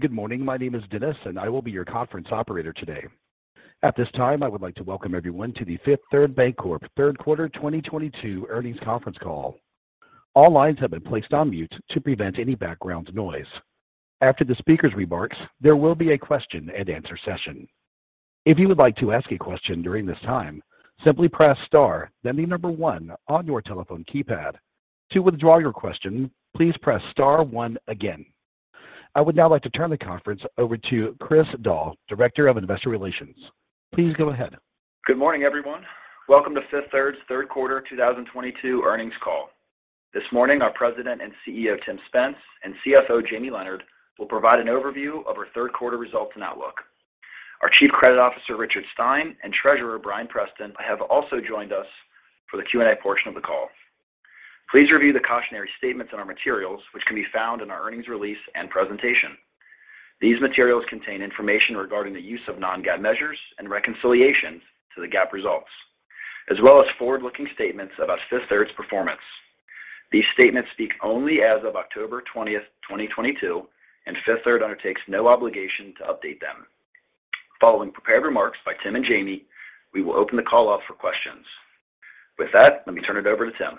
Good morning. My name is Dennis, and I will be your conference operator today. At this time, I would like to welcome everyone to the Fifth Third Bancorp third quarter 2022 earnings conference call. All lines have been placed on mute to prevent any background noise. After the speaker's remarks, there will be a question and answer session. If you would like to ask a question during this time, simply press star, then the number one on your telephone keypad. To withdraw your question, please press star one again. I would now like to turn the conference over to Chris Doll, Director of Investor Relations. Please go ahead. Good morning, everyone. Welcome to Fifth Third's third quarter 2022 earnings call. This morning, our President and CEO, Tim Spence, and CFO, Jamie Leonard, will provide an overview of our third quarter results and outlook. Our Chief Credit Officer, Richard Stein, and Treasurer, Bryan Preston, have also joined us for the Q&A portion of the call. Please review the cautionary statements in our materials which can be found in our earnings release and presentation. These materials contain information regarding the use of non-GAAP measures and reconciliations to the GAAP results, as well as forward-looking statements about Fifth Third's performance. These statements speak only as of October 20th, 2022, and Fifth Third undertakes no obligation to update them. Following prepared remarks by Tim and Jamie, we will open the call up for questions. With that, let me turn it over to Tim.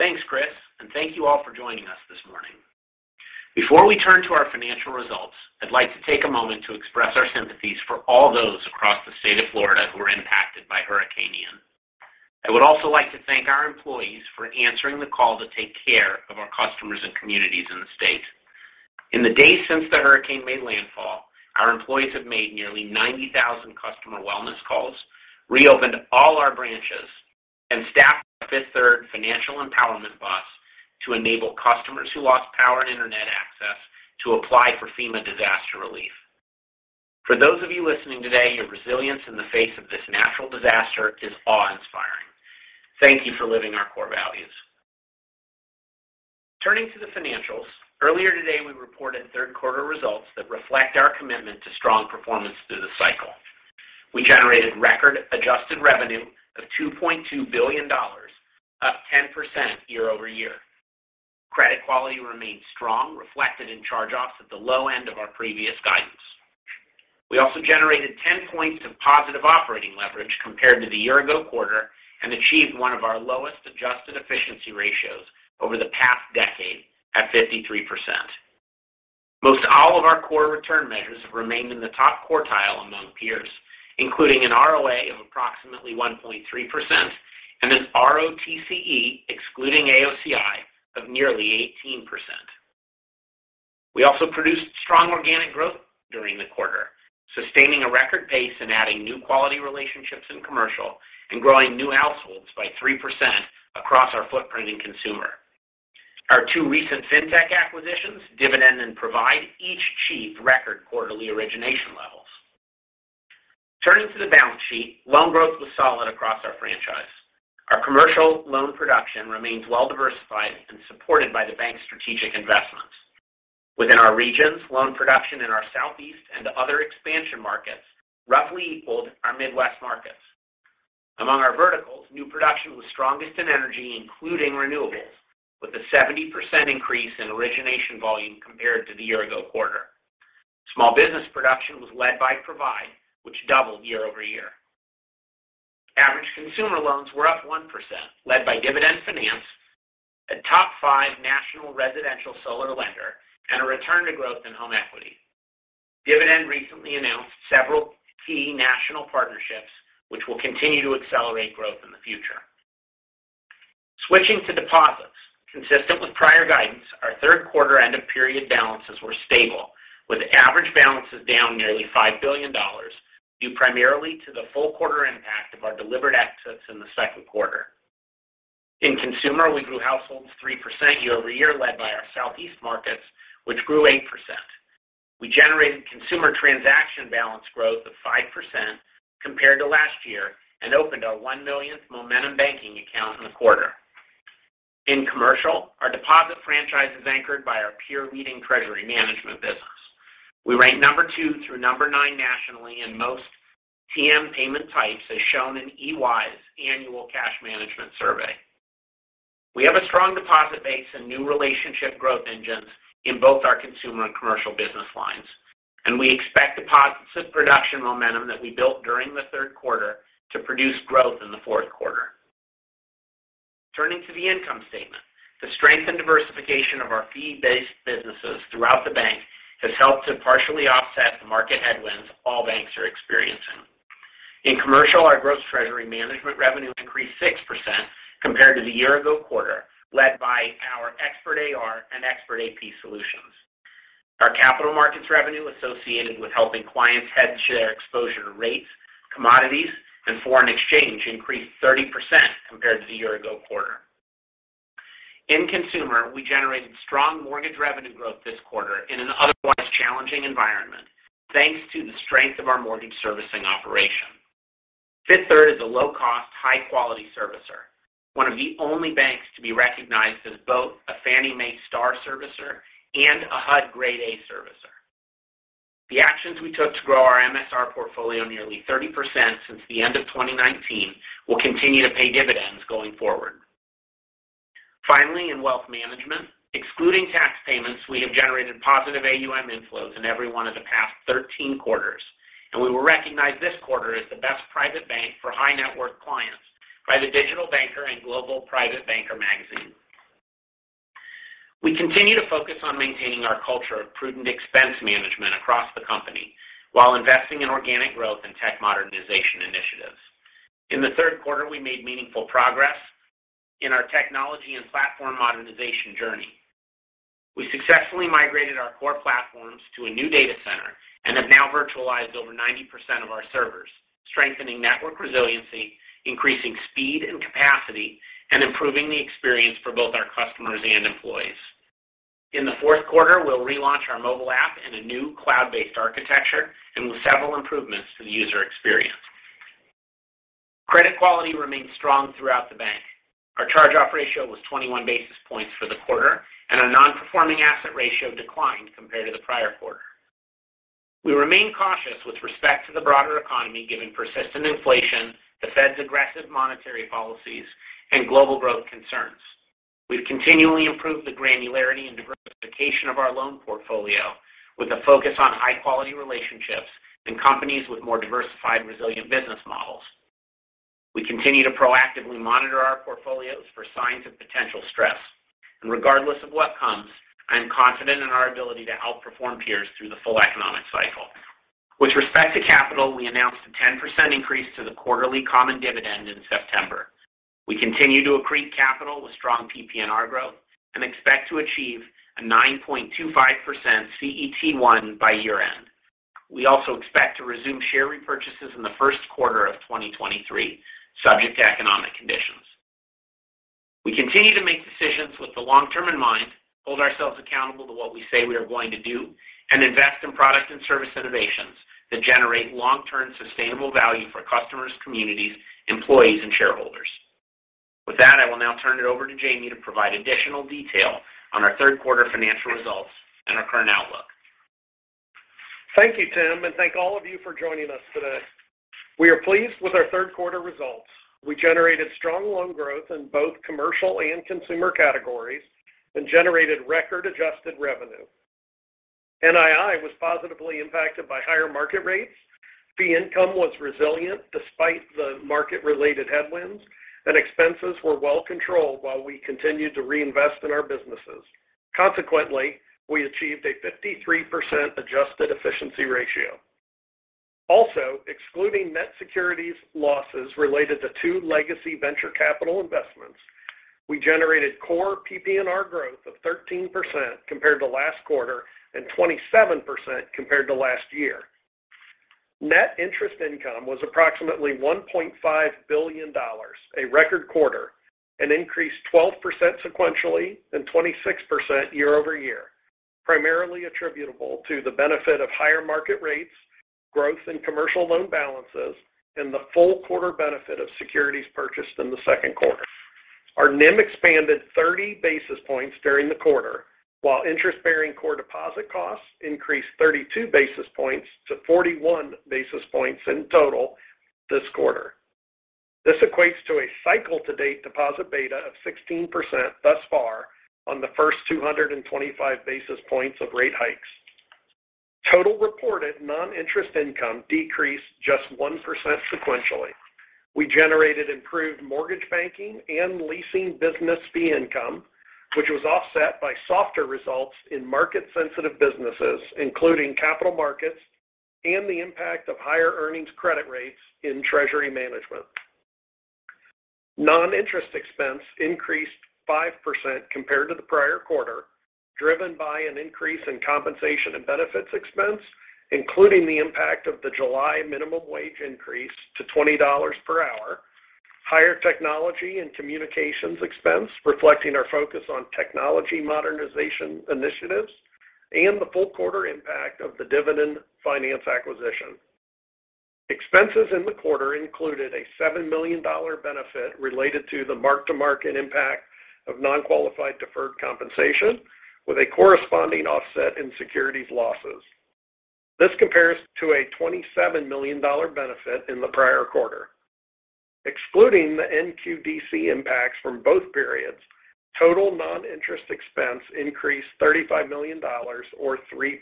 Thanks, Chris, and thank you all for joining us this morning. Before we turn to our financial results, I'd like to take a moment to express our sympathies for all those across the state of Florida who were impacted by Hurricane Ian. I would also like to thank our employees for answering the call to take care of our customers and communities in the state. In the days since the hurricane made landfall, our employees have made nearly 90,000 customer wellness calls, reopened all our branches, and staffed the Fifth Third Financial Empowerment bus to enable customers who lost power and internet access to apply for FEMA disaster relief. For those of you listening today, your resilience in the face of this natural disaster is awe-inspiring. Thank you for living our core values. Turning to the financials, earlier today, we reported third quarter results that reflect our commitment to strong performance through the cycle. We generated record adjusted revenue of $2.2 billion, up 10% year-over-year. Credit quality remained strong, reflected in charge-offs at the low end of our previous guidance. We also generated 10 points of positive operating leverage compared to the year-ago quarter and achieved one of our lowest adjusted efficiency ratios over the past decade at 53%. Most all of our core return measures have remained in the top quartile among peers, including an ROA of approximately 1.3% and an ROTCE excluding AOCI of nearly 18%. We also produced strong organic growth during the quarter, sustaining a record pace in adding new quality relationships in commercial and growing new households by 3% across our footprint in consumer. Our two recent fintech acquisitions, Dividend and Provide, each achieved record quarterly origination levels. Turning to the balance sheet, loan growth was solid across our franchise. Our commercial loan production remains well diversified and supported by the bank's strategic investments. Within our regions, loan production in our Southeast and other expansion markets roughly equaled our Midwest markets. Among our verticals, new production was strongest in energy, including renewables, with a 70% increase in origination volume compared to the year-ago quarter. Small business production was led by Provide, which doubled year-over-year. Average consumer loans were up 1%, led by Dividend Finance, a top five national residential solar lender, and a return to growth in home equity. Dividend recently announced several key national partnerships which will continue to accelerate growth in the future. Switching to deposits. Consistent with prior guidance, our third quarter end of period balances were stable, with average balances down nearly $5 billion, due primarily to the full quarter impact of our delivered exits in the second quarter. In consumer, we grew households 3% year-over-year, led by our Southeast markets, which grew 8%. We generated consumer transaction balance growth of 5% compared to last year and opened our 1 millionth Momentum Banking account in the quarter. In commercial, our deposit franchise is anchored by our peer-leading treasury management business. We rank number two through number nine nationally in most TM payment types, as shown in EY's annual cash management survey. We have a strong deposit base and new relationship growth engines in both our consumer and commercial business lines, and we expect deposit production momentum that we built during the third quarter to produce growth in the fourth quarter. Turning to the income statement. The strength and diversification of our fee-based businesses throughout the bank has helped to partially offset the market headwinds all banks are experiencing. In commercial, our gross treasury management revenue increased 6% compared to the year-ago quarter, led by our Expert AR and Expert AP solutions. Our capital markets revenue associated with helping clients hedge their exposure to rates, commodities, and foreign exchange increased 30% compared to the year-ago quarter. In consumer, we generated strong mortgage revenue growth this quarter in an otherwise challenging environment, thanks to the strength of our mortgage servicing operation. Fifth Third is a low-cost, high-quality servicer, one of the only banks to be recognized as both a Fannie Mae Star servicer and a HUD Grade A servicer. The actions we took to grow our MSR portfolio nearly 30% since the end of 2019 will continue to pay dividends going forward. Finally, in wealth management, excluding tax payments, we have generated positive AUM inflows in every one of the past 13 quarters, and we will recognize this quarter as the best private bank for high net worth clients by The Digital Banker and Global Private Banker magazine. We continue to focus on maintaining our culture of prudent expense management across the company while investing in organic growth and tech modernization initiatives. In the third quarter, we made meaningful progress in our technology and platform modernization journey. We successfully migrated our core platforms to a new data center and have now virtualized over 90% of our servers, strengthening network resiliency, increasing speed and capacity, and improving the experience for both our customers and employees. In the fourth quarter, we'll relaunch our mobile app in a new cloud-based architecture and with several improvements to the user experience. Credit quality remains strong throughout the bank. Our charge-off ratio was 21 basis points for the quarter, and our non-performing asset ratio declined compared to the prior quarter. We remain cautious with respect to the broader economy, given persistent inflation, the Fed's aggressive monetary policies and global growth concerns. We've continually improved the granularity and diversification of our loan portfolio with a focus on high-quality relationships and companies with more diversified, resilient business models. We continue to proactively monitor our portfolios for signs of potential stress. Regardless of what comes, I am confident in our ability to outperform peers through the full economic cycle. With respect to capital, we announced a 10% increase to the quarterly common dividend in September. We continue to accrete capital with strong PPNR growth and expect to achieve a 9.25% CET1 by year-end. We also expect to resume share repurchases in the first quarter of 2023, subject to economic conditions. We continue to make decisions with the long term in mind, hold ourselves accountable to what we say we are going to do, and invest in product and service innovations that generate long-term sustainable value for customers, communities, employees and shareholders. With that, I will now turn it over to Jamie to provide additional detail on our third quarter financial results and our current outlook. Thank you, Tim, and thank all of you for joining us today. We are pleased with our third quarter results. We generated strong loan growth in both commercial and consumer categories and generated record adjusted revenue. NII was positively impacted by higher market rates. Fee income was resilient despite the market-related headwinds, and expenses were well controlled while we continued to reinvest in our businesses. Consequently, we achieved a 53% adjusted efficiency ratio. Excluding net securities losses related to two legacy venture capital investments, we generated core PPNR growth of 13% compared to last quarter and 27% compared to last year. Net interest income was approximately $1.5 billion, a record quarter, and increased 12% sequentially and 26% year-over-year, primarily attributable to the benefit of higher market rates, growth in commercial loan balances, and the full quarter benefit of securities purchased in the second quarter. Our NIM expanded 30 basis points during the quarter, while interest-bearing core deposit costs increased 32 basis points to 41 basis points in total this quarter. This equates to a cycle-to-date deposit beta of 16% thus far on the first 225 basis points of rate hikes. Total reported non-interest income decreased just 1% sequentially. We generated improved mortgage banking and leasing business fee income, which was offset by softer results in market-sensitive businesses, including capital markets and the impact of higher earnings credit rates in treasury management. Non-interest expense increased 5% compared to the prior quarter, driven by an increase in compensation and benefits expense, including the impact of the July minimum wage increase to $20 per hour. Higher technology and communications expense reflecting our focus on technology modernization initiatives and the full quarter impact of the Dividend Finance acquisition. Expenses in the quarter included a $7 million benefit related to the mark-to-market impact of non-qualified deferred compensation, with a corresponding offset in securities losses. This compares to a $27 million benefit in the prior quarter. Excluding the NQDC impacts from both periods, total non-interest expense increased $35 million or 3%.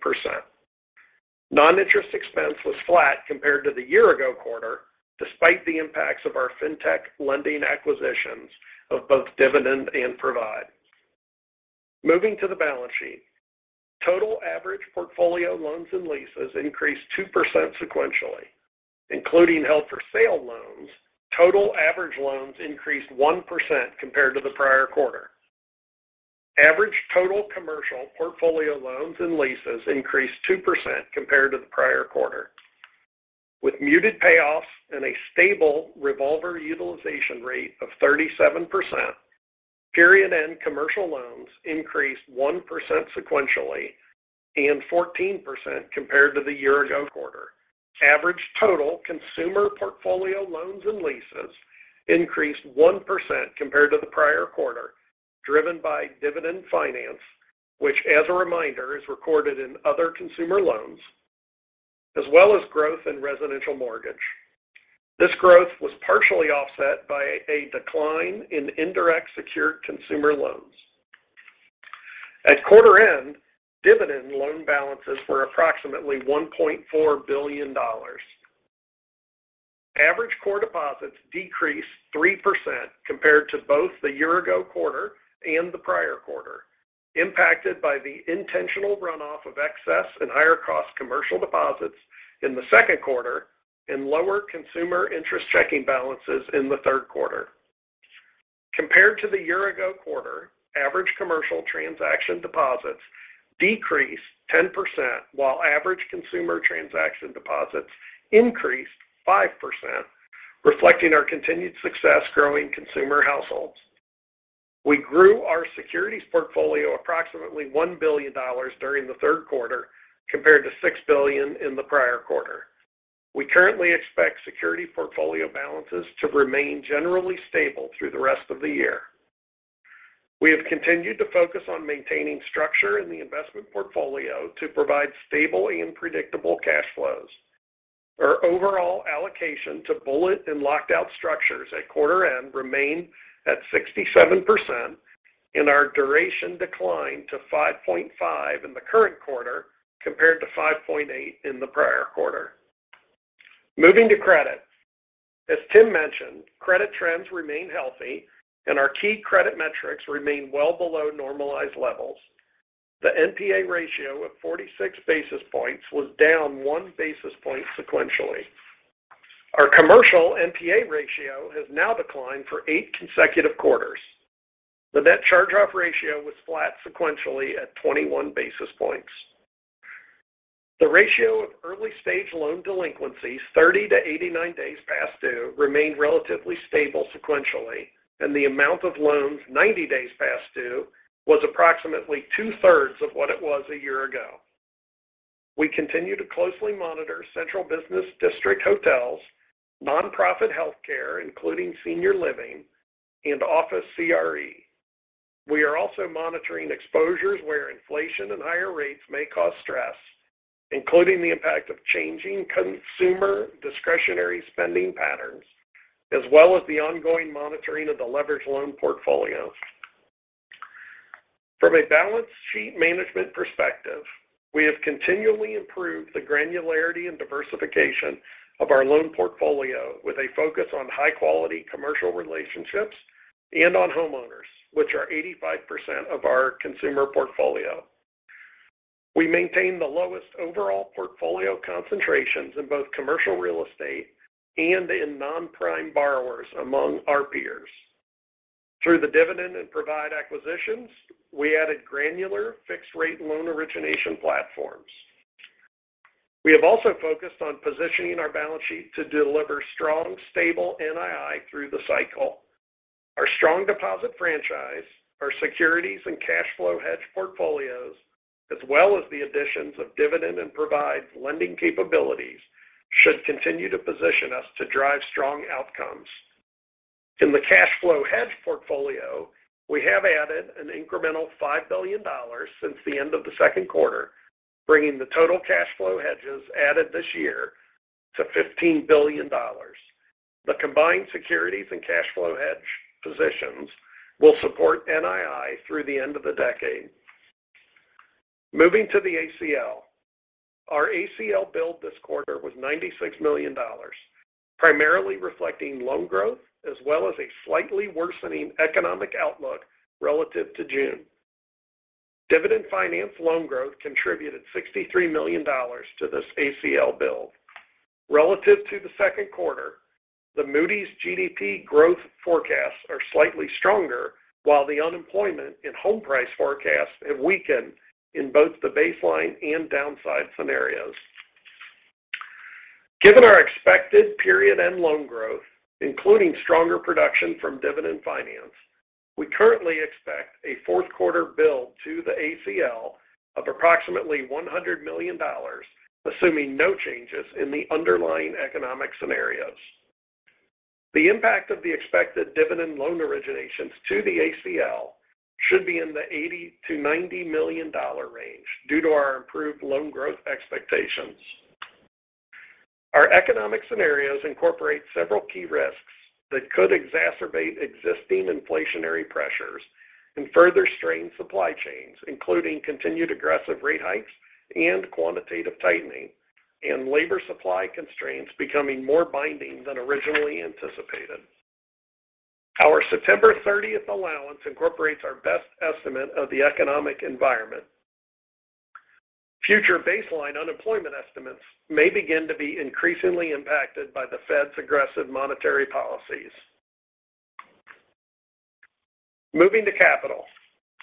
Non-interest expense was flat compared to the year ago quarter, despite the impacts of our fintech lending acquisitions of both Dividend and Provide. Moving to the balance sheet. Total average portfolio loans and leases increased 2% sequentially. Including held for sale loans, total average loans increased 1% compared to the prior quarter. Average total commercial portfolio loans and leases increased 2% compared to the prior quarter. With muted payoffs and a stable revolver utilization rate of 37%, period-end commercial loans increased 1% sequentially and 14% compared to the year-ago quarter. Average total consumer portfolio loans and leases increased 1% compared to the prior quarter, driven by Dividend Finance, which as a reminder, is recorded in other consumer loans, as well as growth in residential mortgage. This growth was partially offset by a decline in indirect secured consumer loans. At quarter end, Dividend loan balances were approximately $1.4 billion. Average core deposits decreased 3% compared to both the year-ago quarter and the prior quarter, impacted by the intentional runoff of excess and higher cost commercial deposits in the second quarter and lower consumer interest checking balances in the third quarter. Compared to the year-ago quarter, average commercial transaction deposits decreased 10%, while average consumer transaction deposits increased 5%, reflecting our continued success growing consumer households. We grew our securities portfolio approximately $1 billion during the third quarter compared to $6 billion in the prior quarter. We currently expect security portfolio balances to remain generally stable through the rest of the year. We have continued to focus on maintaining structure in the investment portfolio to provide stable and predictable cash flows. Our overall allocation to bullet and locked out structures at quarter end remained at 67%, and our duration declined to 5.5 in the current quarter compared to 5.8 in the prior quarter. Moving to credit. As Tim mentioned, credit trends remain healthy and our key credit metrics remain well below normalized levels. The NPA ratio of 46 basis points was down 1 basis point sequentially. Our commercial NPA ratio has now declined for eight consecutive quarters. The net charge-off ratio was flat sequentially at 21 basis points. The ratio of early-stage loan delinquencies 30-89 days past due remained relatively stable sequentially, and the amount of loans 90 days past due was approximately two-thirds of what it was a year ago. We continue to closely monitor central business district hotels, nonprofit healthcare, including senior living and office CRE. We are also monitoring exposures where inflation and higher rates may cause stress, including the impact of changing consumer discretionary spending patterns, as well as the ongoing monitoring of the leveraged loan portfolio. From a balance sheet management perspective, we have continually improved the granularity and diversification of our loan portfolio with a focus on high quality commercial relationships and on homeowners, which are 85% of our consumer portfolio. We maintain the lowest overall portfolio concentrations in both commercial real estate and in non-prime borrowers among our peers. Through the Dividend and Provide acquisitions, we added granular fixed-rate loan origination platforms. We have also focused on positioning our balance sheet to deliver strong, stable NII through the cycle. Our strong deposit franchise, our securities and cash flow hedge portfolios, as well as the additions of Dividend and Provide lending capabilities, should continue to position us to drive strong outcomes. In the cash flow hedge portfolio, we have added an incremental $5 billion since the end of the second quarter, bringing the total cash flow hedges added this year to $15 billion. The combined securities and cash flow hedge positions will support NII through the end of the decade. Moving to the ACL. Our ACL build this quarter was $96 million, primarily reflecting loan growth as well as a slightly worsening economic outlook relative to June. Dividend Finance loan growth contributed $63 million to this ACL build. Relative to the second quarter, the Moody's GDP growth forecasts are slightly stronger, while the unemployment and home price forecasts have weakened in both the baseline and downside scenarios. Given our expected period end loan growth, including stronger production from Dividend Finance, we currently expect a fourth quarter build to the ACL of approximately $100 million, assuming no changes in the underlying economic scenarios. The impact of the expected Dividend loan originations to the ACL should be in the $80-$90 million range due to our improved loan growth expectations. Our economic scenarios incorporate several key risks that could exacerbate existing inflationary pressures and further strain supply chains, including continued aggressive rate hikes and quantitative tightening and labor supply constraints becoming more binding than originally anticipated. Our September thirtieth allowance incorporates our best estimate of the economic environment. Future baseline unemployment estimates may begin to be increasingly impacted by the Fed's aggressive monetary policies. Moving to capital.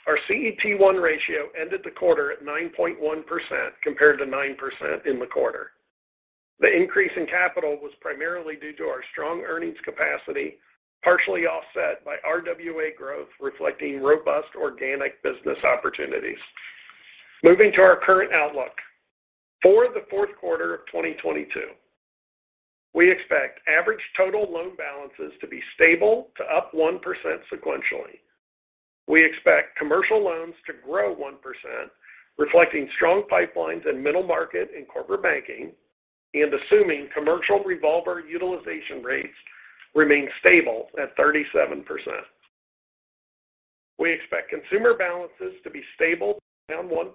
Our CET1 ratio ended the quarter at 9.1% compared to 9% in the quarter. The increase in capital was primarily due to our strong earnings capacity, partially offset by RWA growth, reflecting robust organic business opportunities. Moving to our current outlook. For the fourth quarter of 2022, we expect average total loan balances to be stable to up 1% sequentially. We expect commercial loans to grow 1%, reflecting strong pipelines in middle market and corporate banking, and assuming commercial revolver utilization rates remain stable at 37%. We expect consumer balances to be stable to down 1%,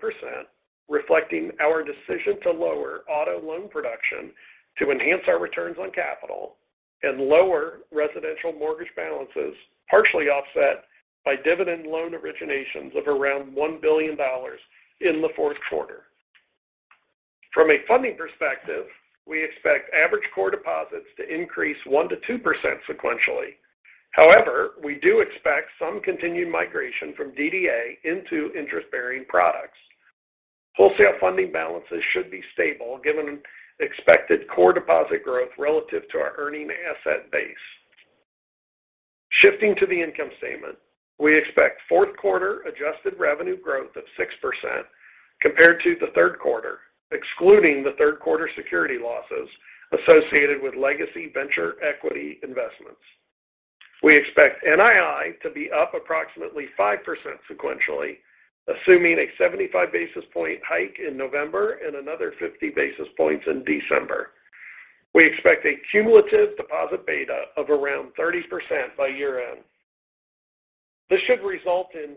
reflecting our decision to lower auto loan production to enhance our returns on capital and lower residential mortgage balances, partially offset by Dividend loan originations of around $1 billion in the fourth quarter. From a funding perspective, we expect average core deposits to increase 1%-2% sequentially. However, we do expect some continued migration from DDA into interest-bearing products. Wholesale funding balances should be stable given expected core deposit growth relative to our earning asset base. Shifting to the income statement, we expect fourth quarter adjusted revenue growth of 6% compared to the third quarter, excluding the third quarter security losses associated with legacy venture equity investments. We expect NII to be up approximately 5% sequentially, assuming a 75 basis point hike in November and another 50 basis points in December. We expect a cumulative deposit beta of around 30% by year-end. This should result in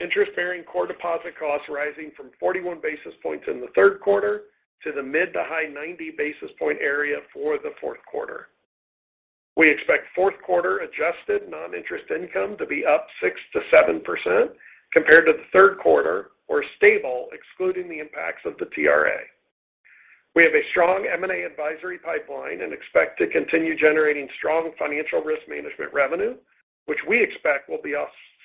interest-bearing core deposit costs rising from 41 basis points in the third quarter to the mid- to high-90 basis point area for the fourth quarter. We expect fourth quarter adjusted non-interest income to be up 6%-7% compared to the third quarter, or stable excluding the impacts of the TRA. We have a strong M&A advisory pipeline and expect to continue generating strong financial risk management revenue, which we expect will be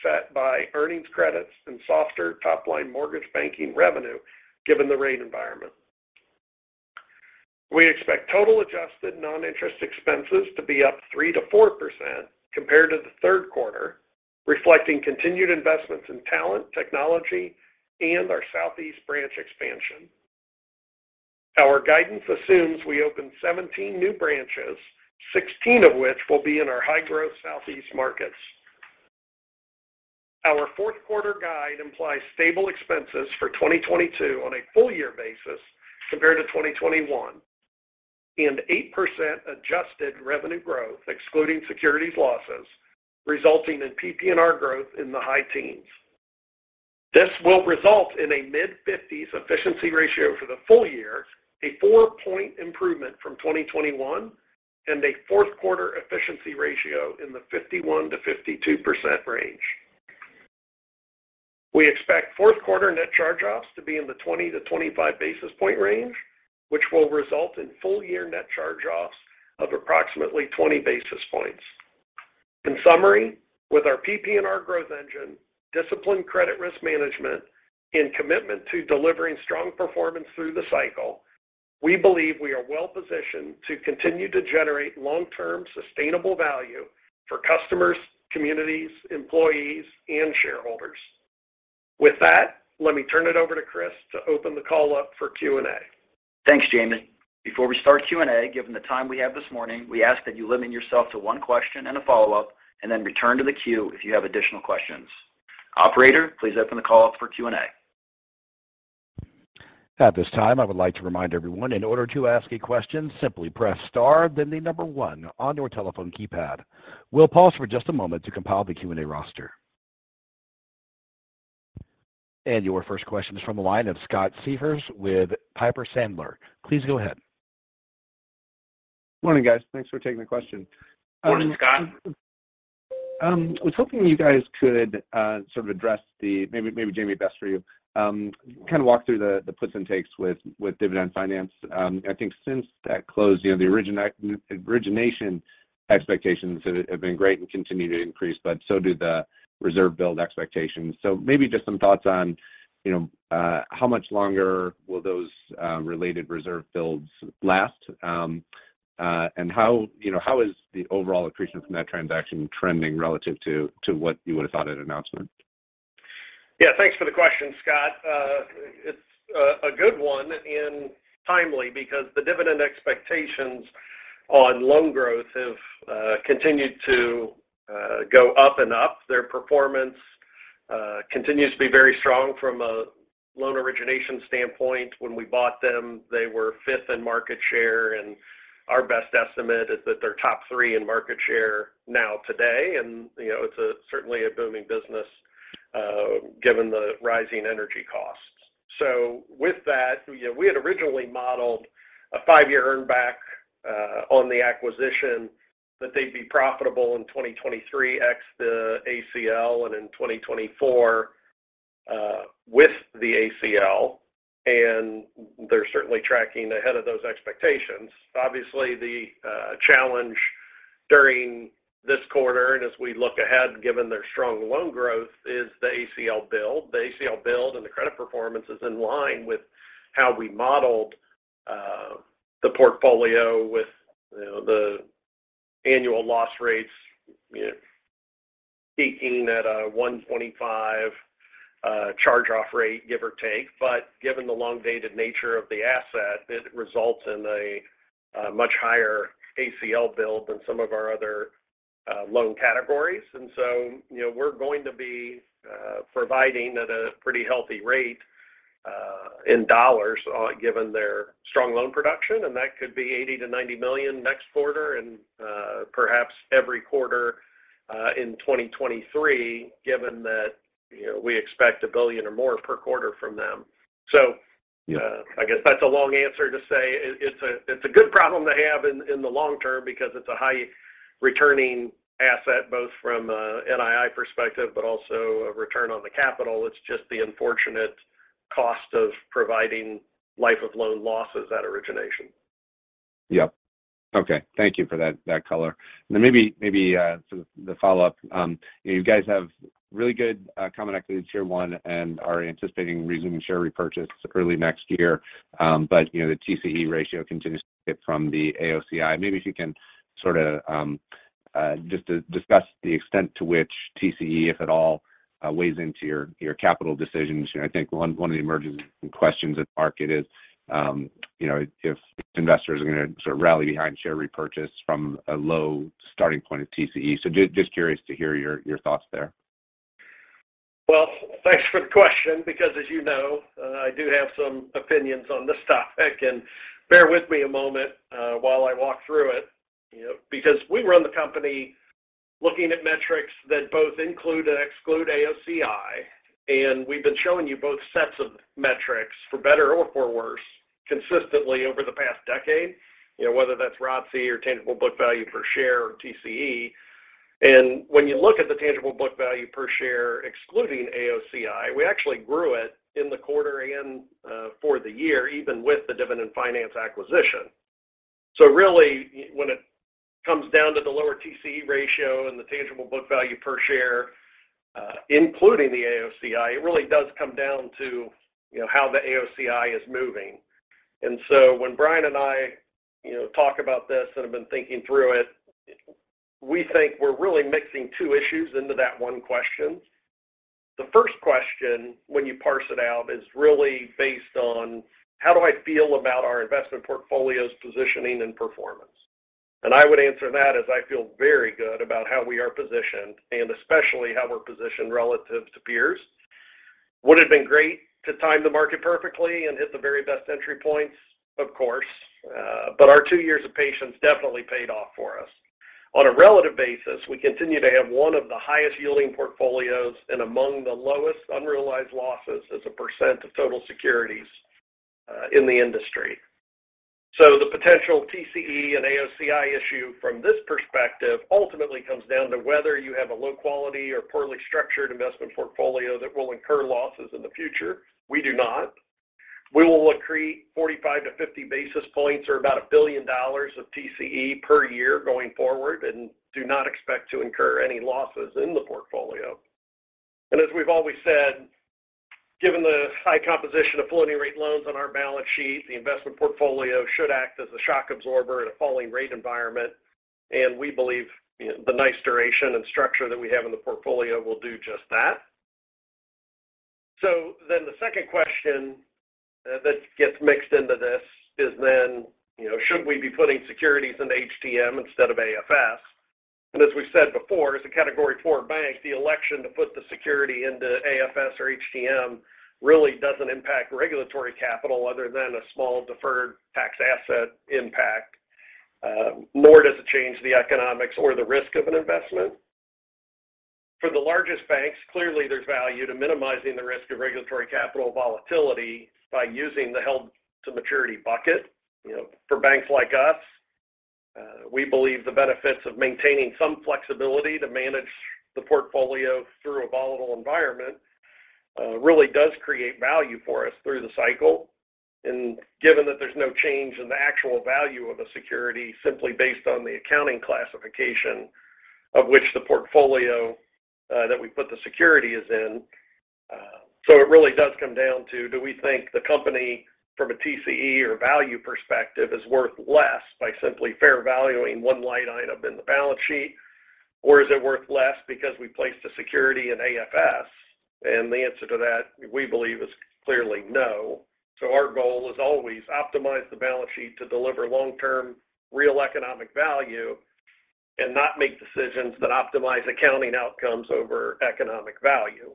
offset by earnings credits and softer top-line mortgage banking revenue given the rate environment. We expect total adjusted non-interest expenses to be up 3%-4% compared to the third quarter, reflecting continued investments in talent, technology, and our southeast branch expansion. Our guidance assumes we open 17 new branches, 16 of which will be in our high-growth southeast markets. Our fourth quarter guide implies stable expenses for 2022 on a full year basis compared to 2021, and 8% adjusted revenue growth excluding securities losses, resulting in PPNR growth in the high teens. This will result in a mid-50s efficiency ratio for the full year, a 4-point improvement from 2021 and a fourth quarter efficiency ratio in the 51%-52% range. We expect fourth quarter net charge-offs to be in the 20-25 basis point range, which will result in full year net charge-offs of approximately 20 basis points. In summary, with our PPNR growth engine, disciplined credit risk management, and commitment to delivering strong performance through the cycle, we believe we are well positioned to continue to generate long-term sustainable value for customers, communities, employees, and shareholders. With that, let me turn it over to Chris to open the call up for Q&A. Thanks, Jamie. Before we start Q&A, given the time we have this morning, we ask that you limit yourself to one question and a follow-up, and then return to the queue if you have additional questions. Operator, please open the call up for Q&A. At this time, I would like to remind everyone in order to ask a question, simply press star then the number one on your telephone keypad. We'll pause for just a moment to compile the Q&A roster. Your first question is from the line of Scott Siefers with Piper Sandler. Please go ahead. Morning, guys. Thanks for taking the question. Morning, Scott. I was hoping you guys could sort of address the maybe Jamie, best for you. Kind of walk through the puts and takes with Dividend Finance. I think since that closed, you know, the origination expectations have been great and continue to increase, but so do the reserve build expectations. Maybe just some thoughts on, you know, how much longer will those related reserve builds last? And how, you know, how is the overall accretion from that transaction trending relative to what you would've thought at announcement. Yeah. Thanks for the question, Scott. It's a good one and timely because the Dividend expectations on loan growth have continued to go up and up. Their performance continues to be very strong from a loan origination standpoint. When we bought them, they were fifth in market share, and our best estimate is that they're top three in market share now today. You know, it's certainly a booming business given the rising energy costs. With that, you know, we had originally modeled a five-year earn back on the acquisition that they'd be profitable in 2023 ex the ACL and in 2024 with the ACL. They're certainly tracking ahead of those expectations. Obviously, the challenge during this quarter and as we look ahead, given their strong loan growth, is the ACL build. The ACL build and the credit performance is in line with how we modeled the portfolio with, you know, the annual loss rates, you know, speaking at a 1.25% charge-off rate, give or take. But given the elongated nature of the asset, it results in a much higher ACL build than some of our other loan categories. You know, we're going to be providing at a pretty healthy rate in dollars given their strong loan production, and that could be $80 million-$90 million next quarter and perhaps every quarter in 2023, given that, you know, we expect $1 billion or more per quarter from them. Yeah I guess that's a long answer to say it. It's a good problem to have in the long term because it's a high returning asset, both from a NII perspective, but also a return on the capital. It's just the unfortunate cost of providing life of loan losses at origination. Yep. Okay. Thank you for that color. Maybe the follow-up. You guys have really good Common Equity Tier 1 and are anticipating resuming share repurchase early next year. You know, the TCE ratio continues to suffer from the AOCI. Maybe if you can sort of just to discuss the extent to which TCE, if at all, weighs into your capital decisions. You know, I think one of the emerging questions in the market is, you know, if investors are gonna sort of rally behind share repurchase from a low starting point of TCE. Just curious to hear your thoughts there. Well, thanks for the question because as you know, I do have some opinions on this topic. Bear with me a moment while I walk through it, you know, because we run the company looking at metrics that both include and exclude AOCI, and we've been showing you both sets of metrics for better or for worse consistently over the past decade, you know, whether that's ROTCE or tangible book value per share or TCE. When you look at the tangible book value per share excluding AOCI, we actually grew it in the quarter and for the year, even with the Dividend Finance acquisition. Really, when it comes down to the lower TCE ratio and the tangible book value per share including the AOCI, it really does come down to, you know, how the AOCI is moving. when Bryan and I, you know, talk about this and have been thinking through it, we think we're really mixing two issues into that one question. The first question when you parse it out is really based on, how do I feel about our investment portfolio's positioning and performance? I would answer that as I feel very good about how we are positioned and especially how we're positioned relative to peers. Would it have been great to time the market perfectly and hit the very best entry points? Of course. our two years of patience definitely paid off for us. On a relative basis, we continue to have one of the highest-yielding portfolios and among the lowest unrealized losses as a percentage of total securities, in the industry. The potential TCE and AOCI issue from this perspective ultimately comes down to whether you have a low quality or poorly structured investment portfolio that will incur losses in the future. We do not. We will accrete 45-50 basis points or about $1 billion of TCE per year going forward and do not expect to incur any losses in the portfolio. As we've always said, given the high composition of floating-rate loans on our balance sheet, the investment portfolio should act as a shock absorber in a falling rate environment. We believe the nice duration and structure that we have in the portfolio will do just that. The second question that gets mixed into this is then, you know, should we be putting securities into HTM instead of AFS? As we've said before, as a Category IV bank, the election to put the security into AFS or HTM really doesn't impact regulatory capital other than a small deferred tax asset impact. Nor does it change the economics or the risk of an investment. For the largest banks, clearly there's value to minimizing the risk of regulatory capital volatility by using the held-to-maturity bucket. You know, for banks like us, we believe the benefits of maintaining some flexibility to manage the portfolio through a volatile environment, really does create value for us through the cycle. Given that there's no change in the actual value of a security simply based on the accounting classification that we put the security is in. it really does come down to, do we think the company from a TCE or value perspective is worth less by simply fair valuing one line item in the balance sheet? Or is it worth less because we placed a security in AFS? The answer to that, we believe, is clearly no. our goal is always optimize the balance sheet to deliver long-term real economic value and not make decisions that optimize accounting outcomes over economic value.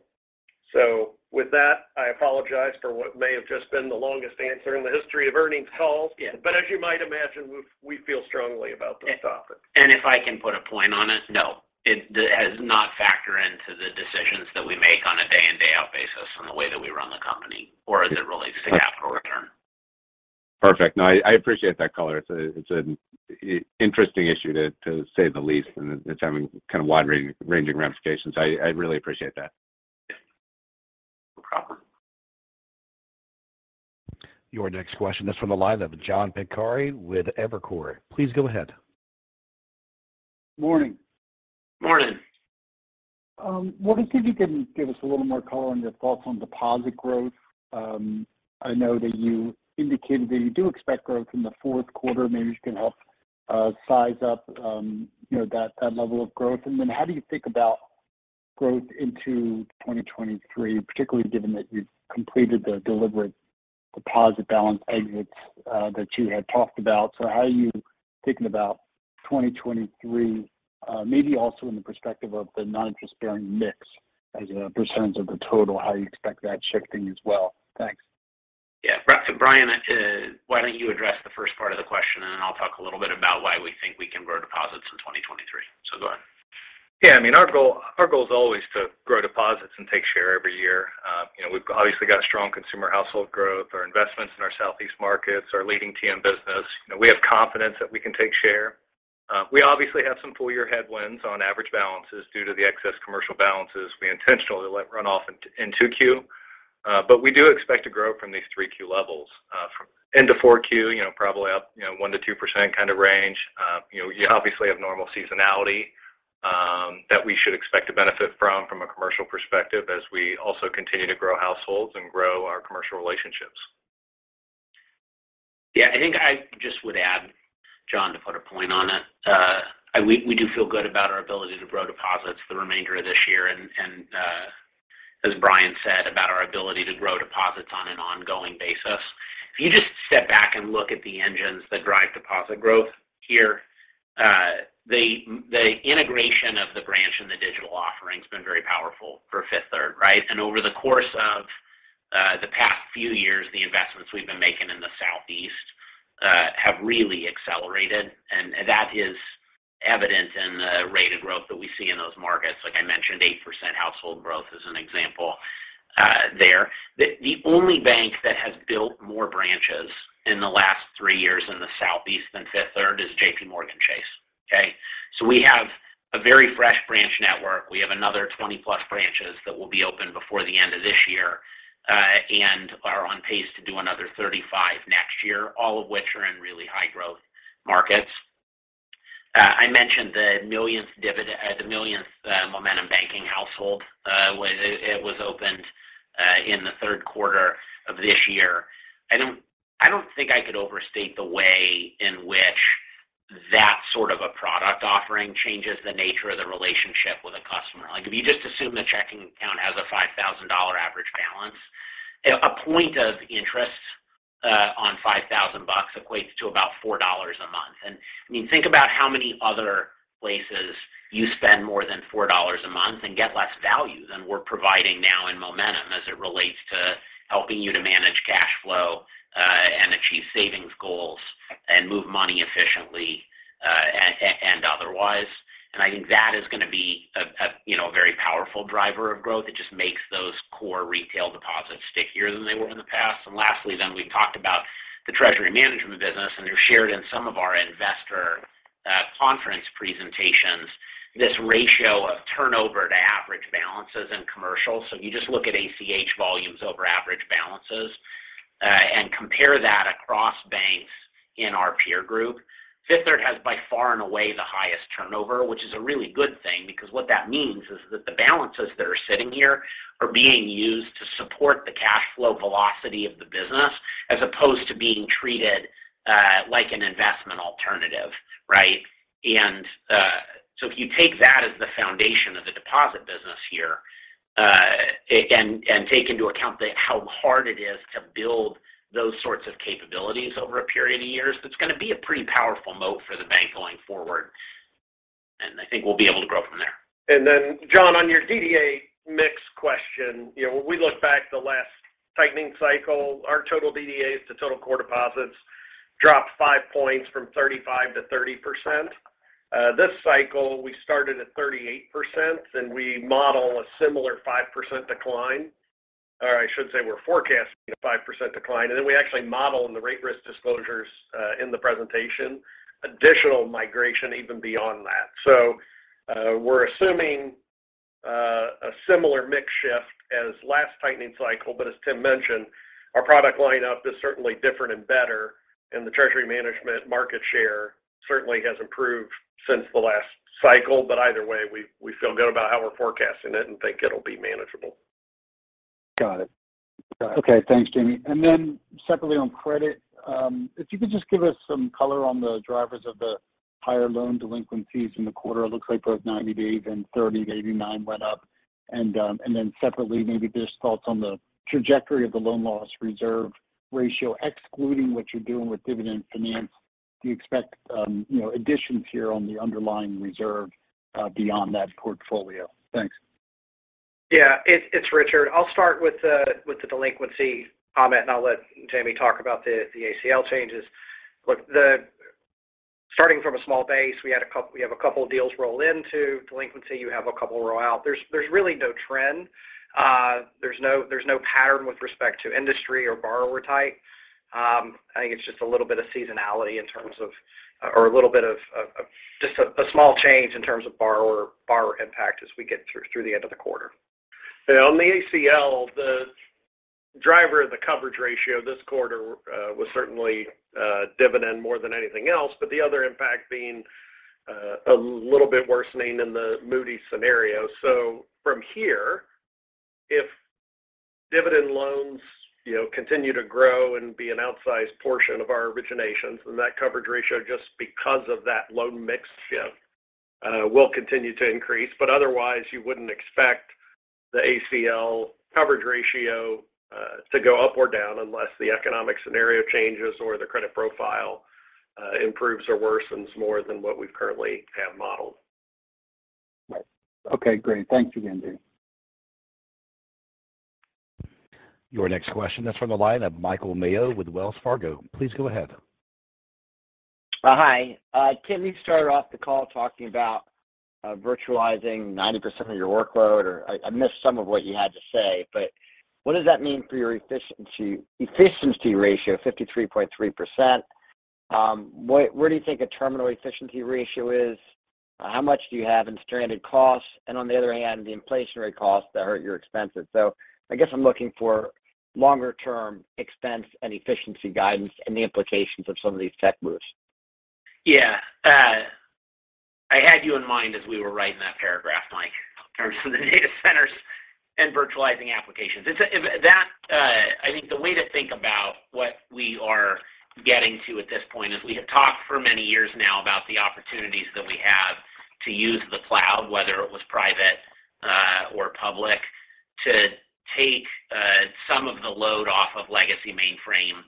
with that, I apologize for what may have just been the longest answer in the history of earnings calls. Yeah. As you might imagine, we feel strongly about this topic. If I can put a point on it, no. It that has not factored into the decisions that we make on a day-in, day-out basis and the way that we run the company or as it relates to capital return. Perfect. No, I appreciate that color. It's an interesting issue to say the least, and it's having kind of wide-ranging ramifications. I really appreciate that. No problem. Your next question is from the line of John Pancari with Evercore. Please go ahead. Morning. Morning. I was wondering if you can give us a little more color on your thoughts on deposit growth. I know that you indicated that you do expect growth in the fourth quarter. Maybe you can help size up, you know, that level of growth. Then how do you think about Growth into 2023, particularly given that you've completed the deliberate deposit balance exits, that you had talked about. How are you thinking about 2023, maybe also in the perspective of the non-interest-bearing mix as a percentage of the total, how you expect that shifting as well? Thanks. Yeah. Brian, why don't you address the first part of the question, and then I'll talk a little bit about why we think we can grow deposits in 2023. Go ahead. Yeah. I mean, our goal is always to grow deposits and take share every year. You know, we've obviously got strong consumer household growth, our investments in our southeast markets, our leading TM business. You know, we have confidence that we can take share. We obviously have some full year headwinds on average balances due to the excess commercial balances we intentionally let run off in 2Q. We do expect to grow from these 3Q levels, from end of 4Q, you know, probably up, you know, 1%-2% kind of range. You know, you obviously have normal seasonality, that we should expect to benefit from a commercial perspective as we also continue to grow households and grow our commercial relationships. Yeah. I think I just would add, John, to put a point on it. We do feel good about our ability to grow deposits the remainder of this year and, as Bryan said about our ability to grow deposits on an ongoing basis. If you just step back and look at the engines that drive deposit growth here, the integration of the branch and the digital offering's been very powerful for Fifth Third, right? Over the course of the past few years, the investments we've been making in the southeast have really accelerated. That is evident in the rate of growth that we see in those markets. Like I mentioned, 8% household growth as an example, there. The only bank that has built more branches in the last three years in the Southeast than Fifth Third is JPMorgan Chase. Okay. We have a very fresh branch network. We have another 20-plus branches that will be open before the end of this year, and are on pace to do another 35 next year, all of which are in really high growth markets. I mentioned the millionth Momentum Banking household when it was opened in the third quarter of this year. I don't think I could overstate the way in which that sort of a product offering changes the nature of the relationship with a customer. Like, if you just assume the checking account has a $5,000 average balance, 1% interest on $5,000 equates to about $4 a month. I mean, think about how many other places you spend more than $4 a month and get less value than we're providing now in momentum as it relates to helping you to manage cash flow and achieve savings goals and move money efficiently and otherwise. I think that is gonna be, you know, a very powerful driver of growth. It just makes those core retail deposits stickier than they were in the past. Lastly then, we talked about the treasury management business, and we've shared in some of our investor conference presentations this ratio of turnover to average balances in commercial. If you just look at ACH volumes over average balances, and compare that across banks in our peer group, Fifth Third has by far and away the highest turnover, which is a really good thing because what that means is that the balances that are sitting here are being used to support the cash flow velocity of the business as opposed to being treated like an investment alternative, right? If you take that as the foundation of the deposit business here, and take into account how hard it is to build those sorts of capabilities over a period of years, it's gonna be a pretty powerful moat for the bank going forward. I think we'll be able to grow from there. John, on your DDA mix question, you know, when we look back the last tightening cycle, our total DDAs to total core deposits dropped 5 points from 35% to 30%. This cycle, we started at 38%, and we model a similar 5% decline. I should say we're forecasting a 5% decline. We actually model in the rate risk disclosures in the presentation additional migration even beyond that. We're assuming a similar mix shift as last tightening cycle. As Tim mentioned, our product lineup is certainly different and better, and the treasury management market share certainly has improved since the last cycle. Either way, we feel good about how we're forecasting it and think it'll be manageable. Got it. Okay. Thanks, Jamie. Secondly on credit, if you could just give us some color on the drivers of the higher loan delinquencies in the quarter. It looks like both 90 days and 30-89 went up. Separately, maybe just thoughts on the trajectory of the loan loss reserve ratio, excluding what you're doing with Dividend Finance. Do you expect, you know, additions here on the underlying reserve beyond that portfolio? Thanks. Yeah. It's Richard. I'll start with the delinquency comment, and I'll let Jamie talk about the ACL changes. Look, starting from a small base, we have a couple deals roll into delinquency. You have a couple roll out. There's really no trend. There's no pattern with respect to industry or borrower type. I think it's just a little bit of seasonality in terms of, or a little bit of just a small change in terms of borrower impact as we get through the end of the quarter. On the ACL, the driver of the coverage ratio this quarter was certainly Dividend more than anything else, but the other impact being a little bit worsening in the Moody's scenario. From here, Dividend loans, you know, continue to grow and be an outsized portion of our originations. That coverage ratio, just because of that loan mix, will continue to increase. Otherwise, you wouldn't expect the ACL coverage ratio to go up or down unless the economic scenario changes or the credit profile improves or worsens more than what we currently have modeled. Right. Okay, great. Thank you again, Jamie. Your next question is from the line of Mike Mayo with Wells Fargo. Please go ahead. Hi. Tim, you started off the call talking about virtualizing 90% of your workload, or I missed some of what you had to say. What does that mean for your efficiency ratio, 53.3%? Where do you think a terminal efficiency ratio is? How much do you have in stranded costs? And on the other hand, the inflationary costs that hurt your expenses. I guess I'm looking for longer term expense and efficiency guidance and the implications of some of these tech moves. Yeah. I had you in mind as we were writing that paragraph, Mike, in terms of the data centers and virtualizing applications. I think the way to think about what we are getting to at this point is we have talked for many years now about the opportunities that we have to use the cloud, whether it was private, or public, to take, some of the load off of legacy mainframe,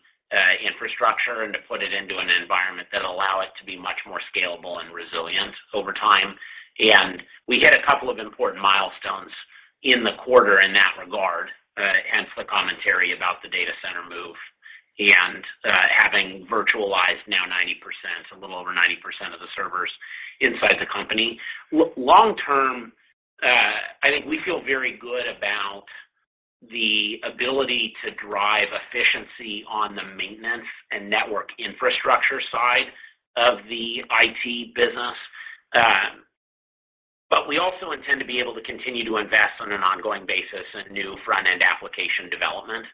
infrastructure and to put it into an environment that allow it to be much more scalable and resilient over time. We hit a couple of important milestones in the quarter in that regard, hence the commentary about the data center move and, having virtualized now 90%, a little over 90% of the servers inside the company. Long-term, I think we feel very good about the ability to drive efficiency on the maintenance and network infrastructure side of the IT business. But we also intend to be able to continue to invest on an ongoing basis in new front-end application development,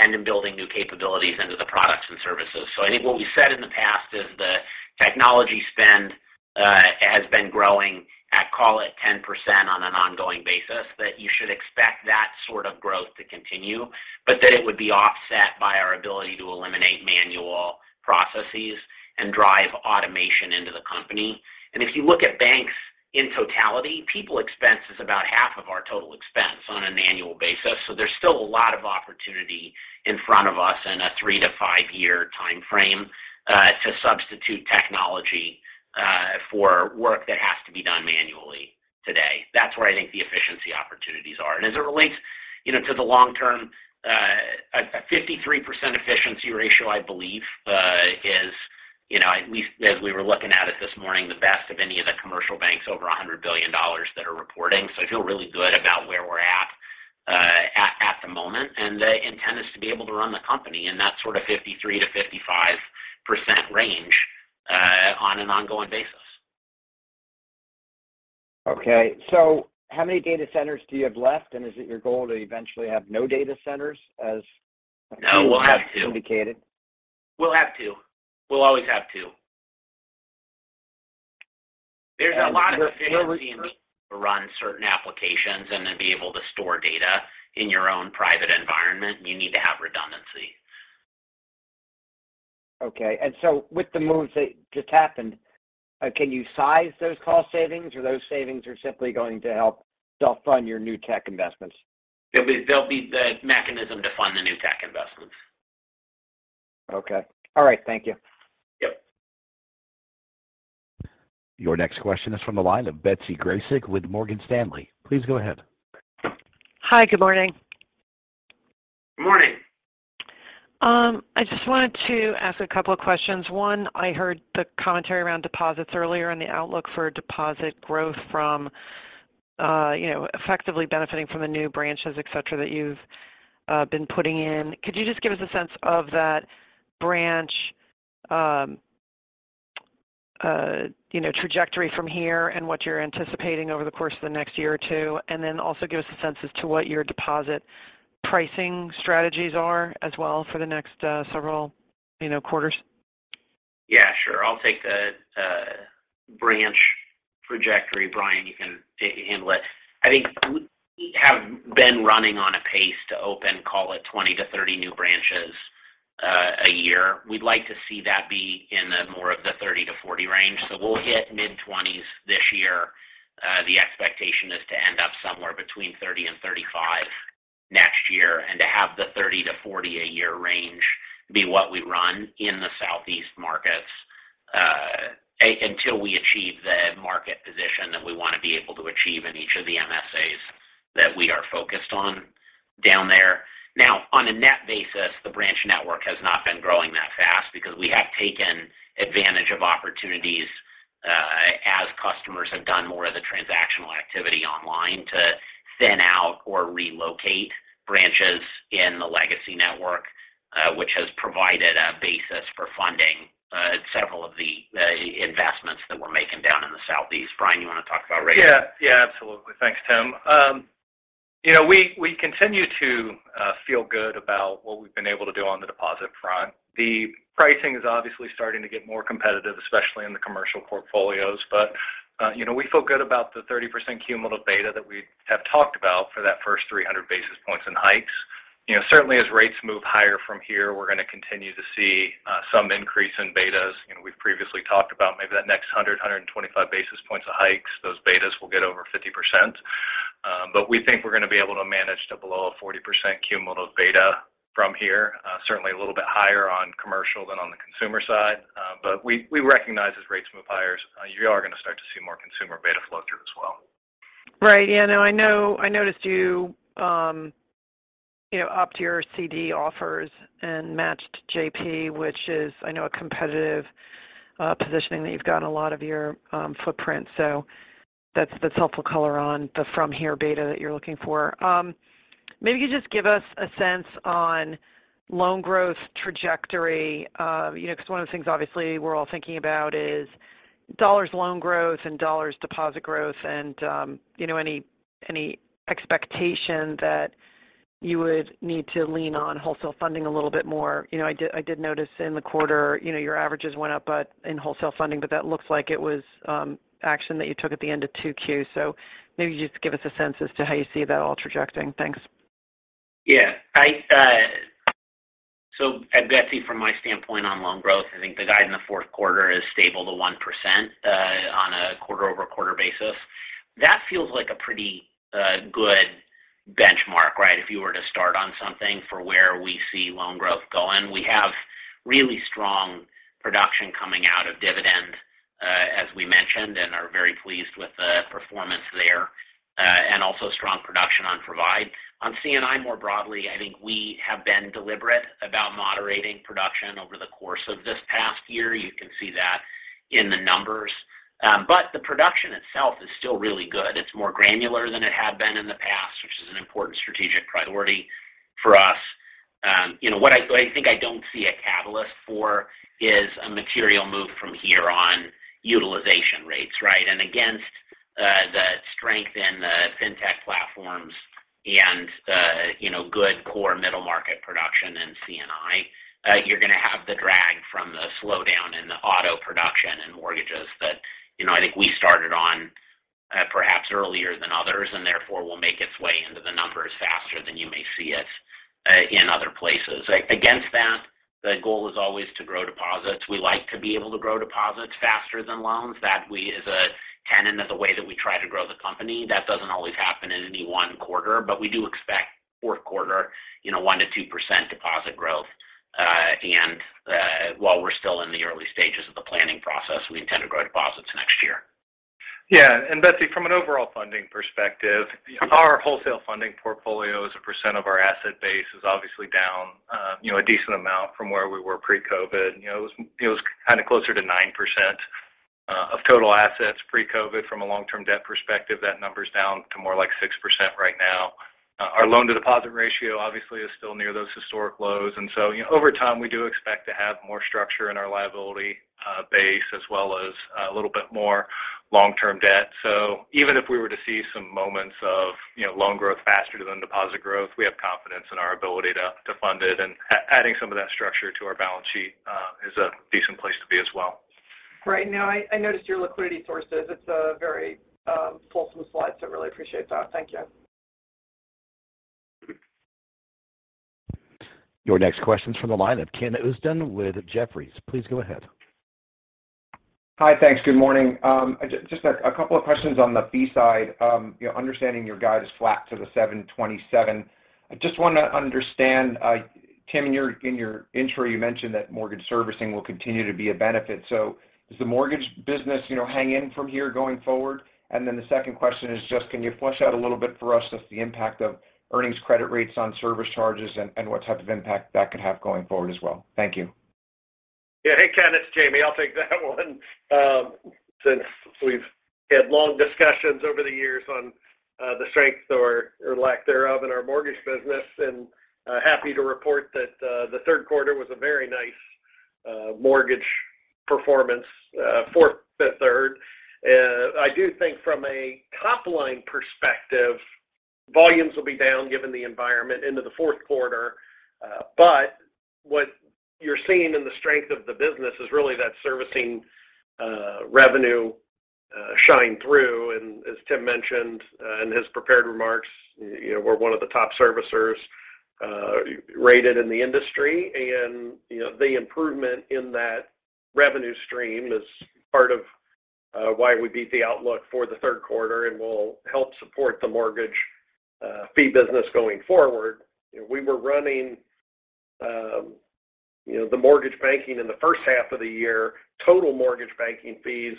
and in building new capabilities into the products and services. I think what we said in the past is the technology spend has been growing at, call it 10% on an ongoing basis, that you should expect that sort of growth to continue. That it would be offset by our ability to eliminate manual processes and drive automation into the company. If you look at banks in totality, people expense is about half of our total expense on an annual basis. There's still a lot of opportunity in front of us in a 3-5-year timeframe to substitute technology for work that has to be done manually today. That's where I think the efficiency opportunities are. As it relates, you know, to the long term, a 53% efficiency ratio, I believe, is, you know, at least as we were looking at it this morning, the best of any of the commercial banks over $100 billion that are reporting. I feel really good about where we're at the moment. The intent is to be able to run the company in that sort of 53%-55% range on an ongoing basis. Okay. How many data centers do you have left? Is it your goal to eventually have no data centers as- No, we'll have two indicated? We'll have two. We'll always have two. There's a lot of efficiency in being able to run certain applications and then be able to store data in your own private environment. You need to have redundancy. With the moves that just happened, can you size those cost savings or those savings are simply going to help fund your new tech investments? They'll be the mechanism to fund the new tech investments. Okay. All right. Thank you. Yep. Your next question is from the line of Betsy Graseck with Morgan Stanley. Please go ahead. Hi. Good morning. Morning. I just wanted to ask a couple of questions. One, I heard the commentary around deposits earlier and the outlook for deposit growth from, you know, effectively benefiting from the new branches, et cetera, that you've been putting in. Could you just give us a sense of that branch, you know, trajectory from here and what you're anticipating over the course of the next year or two? Then also give us a sense as to what your deposit pricing strategies are as well for the next, several, you know, quarters. I'll take the branch trajectory. Bryan, you can handle it. I think we have been running on a pace to open, call it 20-30 new branches a year. We'd like to see that be in more of the 30-40 range. We'll hit mid-20s this year. The expectation is to end up somewhere between 30 and 35 next year and to have the 30-40 a year range be what we run in the southeast markets until we achieve the market position that we want to be able to achieve in each of the MSAs that we are focused on down there. Now, on a net basis, the branch network has not been growing that fast because we have taken advantage of opportunities, as customers have done more of the transactional activity online to thin out or relocate branches in the legacy network, which has provided a basis for funding, several of the investments that we're making down in the Southeast. Bryan, you want to talk about rates? Yeah. Yeah, absolutely. Thanks, Tim. You know, we continue to feel good about what we've been able to do on the deposit front. The pricing is obviously starting to get more competitive, especially in the commercial portfolios. You know, we feel good about the 30% cumulative beta that we have talked about for that first 300 basis points of hikes. You know, certainly as rates move higher from here, we're going to continue to see some increase in betas. You know, we've previously talked about maybe that next hundred and twenty-five basis points of hikes, those betas will get over 50%. We think we're going to be able to manage to below a 40% cumulative beta from here. Certainly a little bit higher on commercial than on the consumer side. We recognize as rates move higher, you are going to start to see more consumer beta flow through as well. Right. Yeah, no, I know, I noticed you upped your CD offers and matched JP, which I know is a competitive positioning that you've got in a lot of your footprint. So that's helpful color on the forward beta that you're looking for. Maybe you could just give us a sense on loan growth trajectory. You know, because one of the things obviously we're all thinking about is dollars loan growth and dollars deposit growth and you know any expectation that you would need to lean on wholesale funding a little bit more. You know, I did notice in the quarter your averages went up, but in wholesale funding. But that looks like it was action that you took at the end of 2Q. Maybe you just give us a sense as to how you see that all projecting? Thanks. Yeah. Betsy, from my standpoint on loan growth, I think the guide in the fourth quarter is stable to 1%, on a quarter-over-quarter basis. That feels like a pretty good benchmark, right? If you were to start on something for where we see loan growth going. We have really strong production coming out of Dividend, as we mentioned, and are very pleased with the performance there, and also strong production on Provide. On CNI more broadly, I think we have been deliberate about moderating production over the course of this past year. You can see that in the numbers. The production itself is still really good. It's more granular than it had been in the past, which is an important strategic priority for us. You know what I think I don't see a catalyst for is a material move from here on utilization rates, right? Against the strength in the fintech platforms and you know good core middle market production in CNI, you're going to have the drag from the slowdown in the auto production and mortgages that you know I think we started on perhaps earlier than others, and therefore will make its way into the numbers faster than you may see it in other places. Against that, the goal is always to grow deposits. We like to be able to grow deposits faster than loans. That we as a tenet of the way that we try to grow the company. That doesn't always happen in any one quarter. We do expect fourth quarter you know 1%-2% deposit growth. While we're still in the early stages of the planning process, we intend to grow deposits next year. Yeah. Betsy, from an overall funding perspective, our wholesale funding portfolio as a percent of our asset base is obviously down, you know, a decent amount from where we were pre-COVID. You know, it was kind of closer to 9% of total assets pre-COVID. From a long-term debt perspective, that number is down to more like 6% right now. Our loan-to-deposit ratio obviously is still near those historic lows. You know, over time, we do expect to have more structure in our liability base as well as a little bit more long-term debt. Even if we were to see some moments of, you know, loan growth faster than deposit growth, we have confidence in our ability to fund it. Adding some of that structure to our balance sheet is a decent place to be as well. Right. No, I noticed your liquidity sources. It's a very fulsome slide, so really appreciate that. Thank you. Your next question is from the line of Ken Usdin with Jefferies. Please go ahead. Hi. Thanks. Good morning. Just a couple of questions on the fee side. You know, understanding your guide is flat to the $727. I just want to understand, Tim, in your intro, you mentioned that mortgage servicing will continue to be a benefit. Does the mortgage business, you know, hang in from here going forward? And then the second question is just can you flesh out a little bit for us just the impact of earnings credit rates on service charges and what type of impact that could have going forward as well? Thank you. Yeah. Hey, Ken, it's Jamie. I'll take that one. Since we've had long discussions over the years on the strength or lack thereof in our mortgage business. Happy to report that the third quarter was a very nice mortgage performance for the third. I do think from a top-line perspective, volumes will be down given the environment into the fourth quarter. But what you're seeing in the strength of the business is really that servicing revenue shining through. As Tim mentioned in his prepared remarks, you know, we're one of the top servicers rated in the industry. You know, the improvement in that revenue stream is part of why we beat the outlook for the third quarter and will help support the mortgage fee business going forward. We were running, you know, the mortgage banking in the first half of the year. Total mortgage banking fees,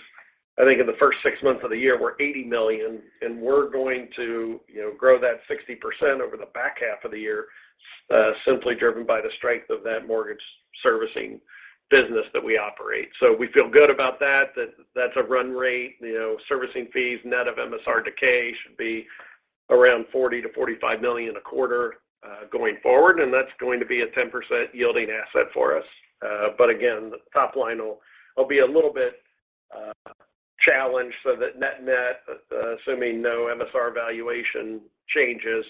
I think in the first six months of the year, were $80 million, and we're going to, you know, grow that 60% over the back half of the year, simply driven by the strength of that mortgage servicing business that we operate. We feel good about that's a run rate. You know, servicing fees net of MSR decay should be around $40 million-$45 million a quarter, going forward, and that's going to be a 10% yielding asset for us. Again, the top line will be a little bit challenged. That net-net, assuming no MSR valuation changes,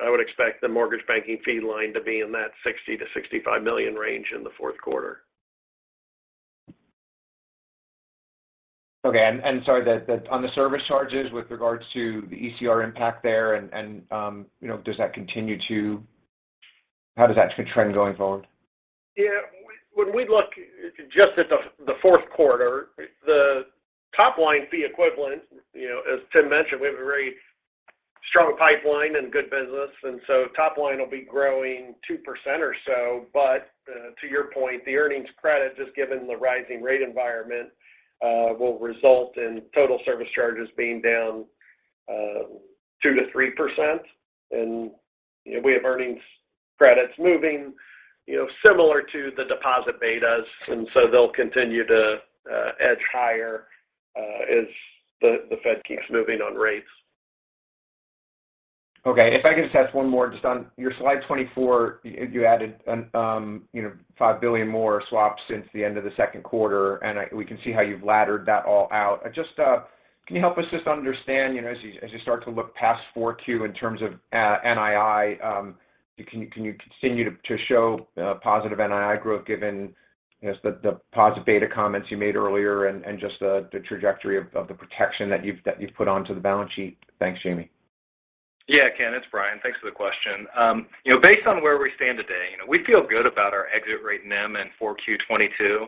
I would expect the mortgage banking fee line to be in that $60 million-$65 million range in the fourth quarter. Okay. Sorry, that on the service charges with regards to the ECR impact there, you know, how does that trend going forward? Yeah. When we look just at the fourth quarter, the top line fee equivalent, you know, as Tim mentioned, we have a very strong pipeline and good business. Top line will be growing 2% or so. To your point, the earnings credit, just given the rising rate environment, will result in total service charges being down 2%-3%. We have earnings credits moving, you know, similar to the deposit betas, and so they'll continue to edge higher as the Fed keeps moving on rates. Okay. If I can just ask one more just on your slide 24, you added an, you know, $5 billion more swaps since the end of the second quarter, and we can see how you've laddered that all out. Just, can you help us just understand, you know, as you, as you start to look past 4Q in terms of, NII, can you, can you continue to show, positive NII growth given, I guess, the positive beta comments you made earlier and just the trajectory of the protection that you've put onto the balance sheet? Thanks, Jamie. Yeah, Ken, it's Bryan. Thanks for the question. You know, based on where we stand today, you know, we feel good about our exit rate NIM in 4Q 2022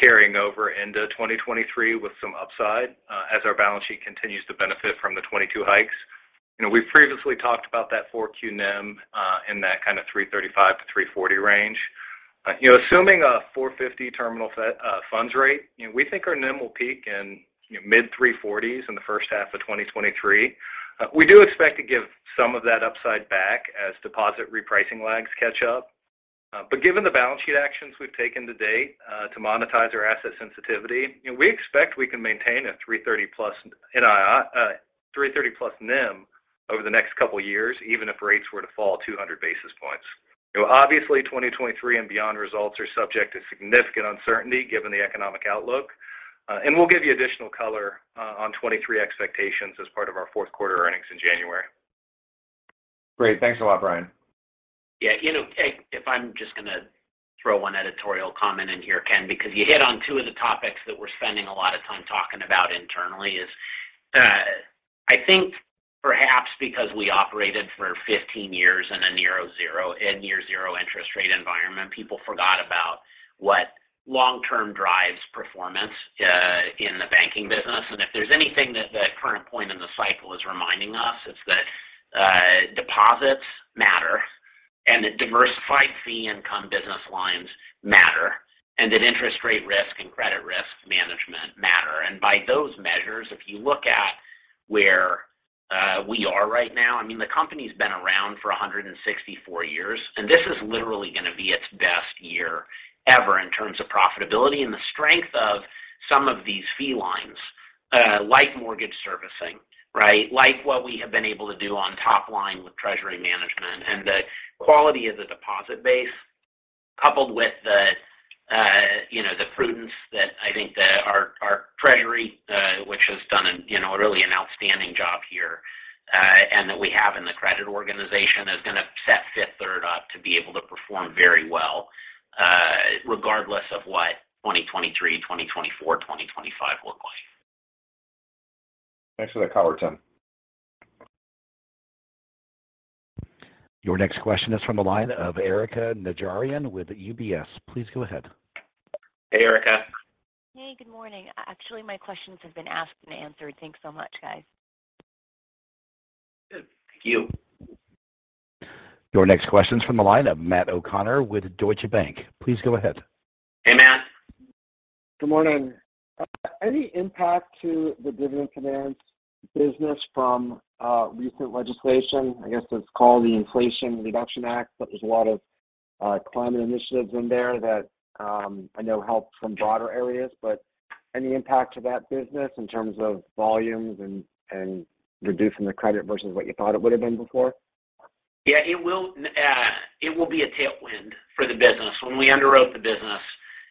carrying over into 2023 with some upside as our balance sheet continues to benefit from the 2022 hikes. You know, we've previously talked about that 4Q NIM in that kind of 3.35%-3.40% range. You know, assuming a 4.50% terminal funds rate, you know, we think our NIM will peak in mid-3.40s in the first half of 2023. We do expect to give some of that upside back as deposit repricing lags catch up. Given the balance sheet actions we've taken to date, to monetize our asset sensitivity, you know, we expect we can maintain a 3.30+ NIM over the next couple of years, even if rates were to fall 200 basis points. You know, obviously 2023 and beyond results are subject to significant uncertainty given the economic outlook. We'll give you additional color on 2023 expectations as part of our fourth quarter earnings in January. Great. Thanks a lot, Bryan. Yeah. You know, if I'm just gonna throw one editorial comment in here, Ken, because you hit on two of the topics that we're spending a lot of time talking about internally is, I think perhaps because we operated for 15 years in a near zero interest rate environment, people forgot about what long-term drives performance in the banking business. If there's anything that the current point in the cycle is reminding us, it's that deposits matter and that diversified fee income business lines matter, and that interest rate risk and credit risk management matter. By those measures, if you look at where we are right now, I mean, the company's been around for 164 years, and this is literally going to be its best year ever in terms of profitability and the strength of some of these fee lines, like mortgage servicing, right? Like what we have been able to do on top line with treasury management. The quality of the deposit base, coupled with the, you know, the prudence that I think that our treasury, which has done an, you know, really an outstanding job here, and that we have in the credit organization, is going to set Fifth Third up to be able to perform very well, regardless of what 2023, 2024, 2025 look like. Thanks for that color, Tim. Your next question is from the line of Erika Najarian with UBS. Please go ahead. Hey, Erika. Hey, good morning. Actually, my questions have been asked and answered. Thanks so much, guys. Good. Thank you. Your next question is from the line of Matt O'Connor with Deutsche Bank. Please go ahead. Hey, Matt. Good morning. Any impact to the Dividend Finance business from recent legislation? I guess it's called the Inflation Reduction Act, but there's a lot of climate initiatives in there that I know help some broader areas. Any impact to that business in terms of volumes and reducing the credit versus what you thought it would have been before? Yeah. It will be a tailwind for the business. When we underwrote the business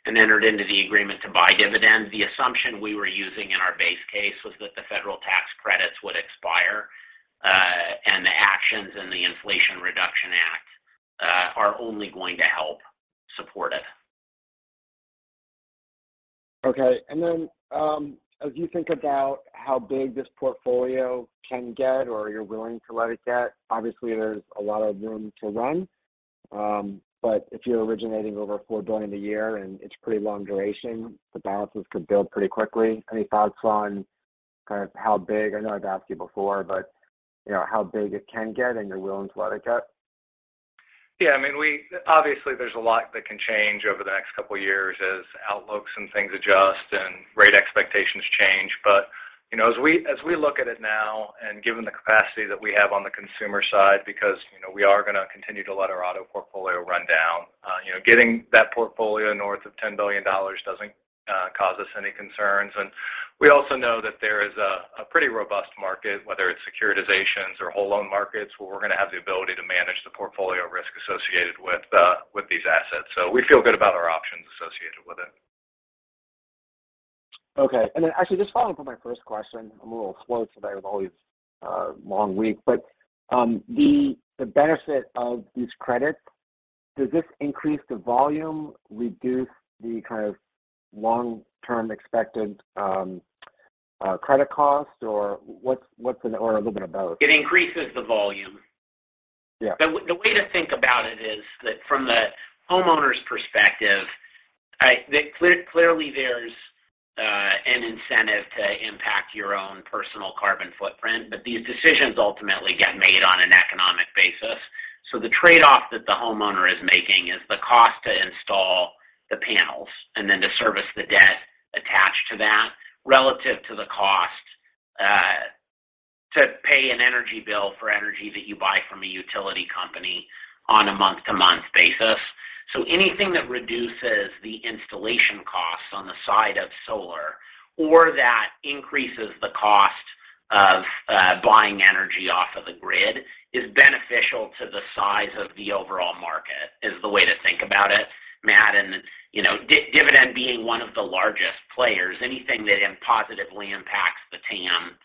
and entered into the agreement to buy Dividend, the assumption we were using in our base case was that the federal tax credits would expire, and the actions in the Inflation Reduction Act are only going to help support it. As you think about how big this portfolio can get or you're willing to let it get, obviously there's a lot of room to run. If you're originating over $4 billion a year and it's pretty long duration, the balances could build pretty quickly. Any thoughts on kind of how big, I know I've asked you before, but you know, how big it can get and you're willing to let it get? Yeah. I mean, obviously there's a lot that can change over the next couple of years as outlooks and things adjust and rate expectations change. You know, as we look at it now and given the capacity that we have on the consumer side because, you know, we are going to continue to let our auto portfolio run down. You know, getting that portfolio north of $10 billion doesn't cause us any concerns. We also know that there is a pretty robust market, whether it's securitizations or whole loan markets, where we're going to have the ability to manage the portfolio risk associated with these assets. We feel good about our options associated with it. Okay. Actually just following up on my first question, I'm a little slow today. It was always a long week. The benefit of these credits. Does this increase the volume, reduce the kind of long-term expected credit cost? Or what's the, or a little bit about? It increases the volume. Yeah. The way to think about it is that from the homeowner's perspective, clearly there's an incentive to impact your own personal carbon footprint, but these decisions ultimately get made on an economic basis. The trade-off that the homeowner is making is the cost to install the panels and then to service the debt attached to that relative to the cost to pay an energy bill for energy that you buy from a utility company on a month-to-month basis. Anything that reduces the installation costs on the side of solar or that increases the cost of buying energy off of the grid is beneficial to the size of the overall market is the way to think about it, Matt. You know, Dividend being one of the largest players, anything that positively impacts the TAM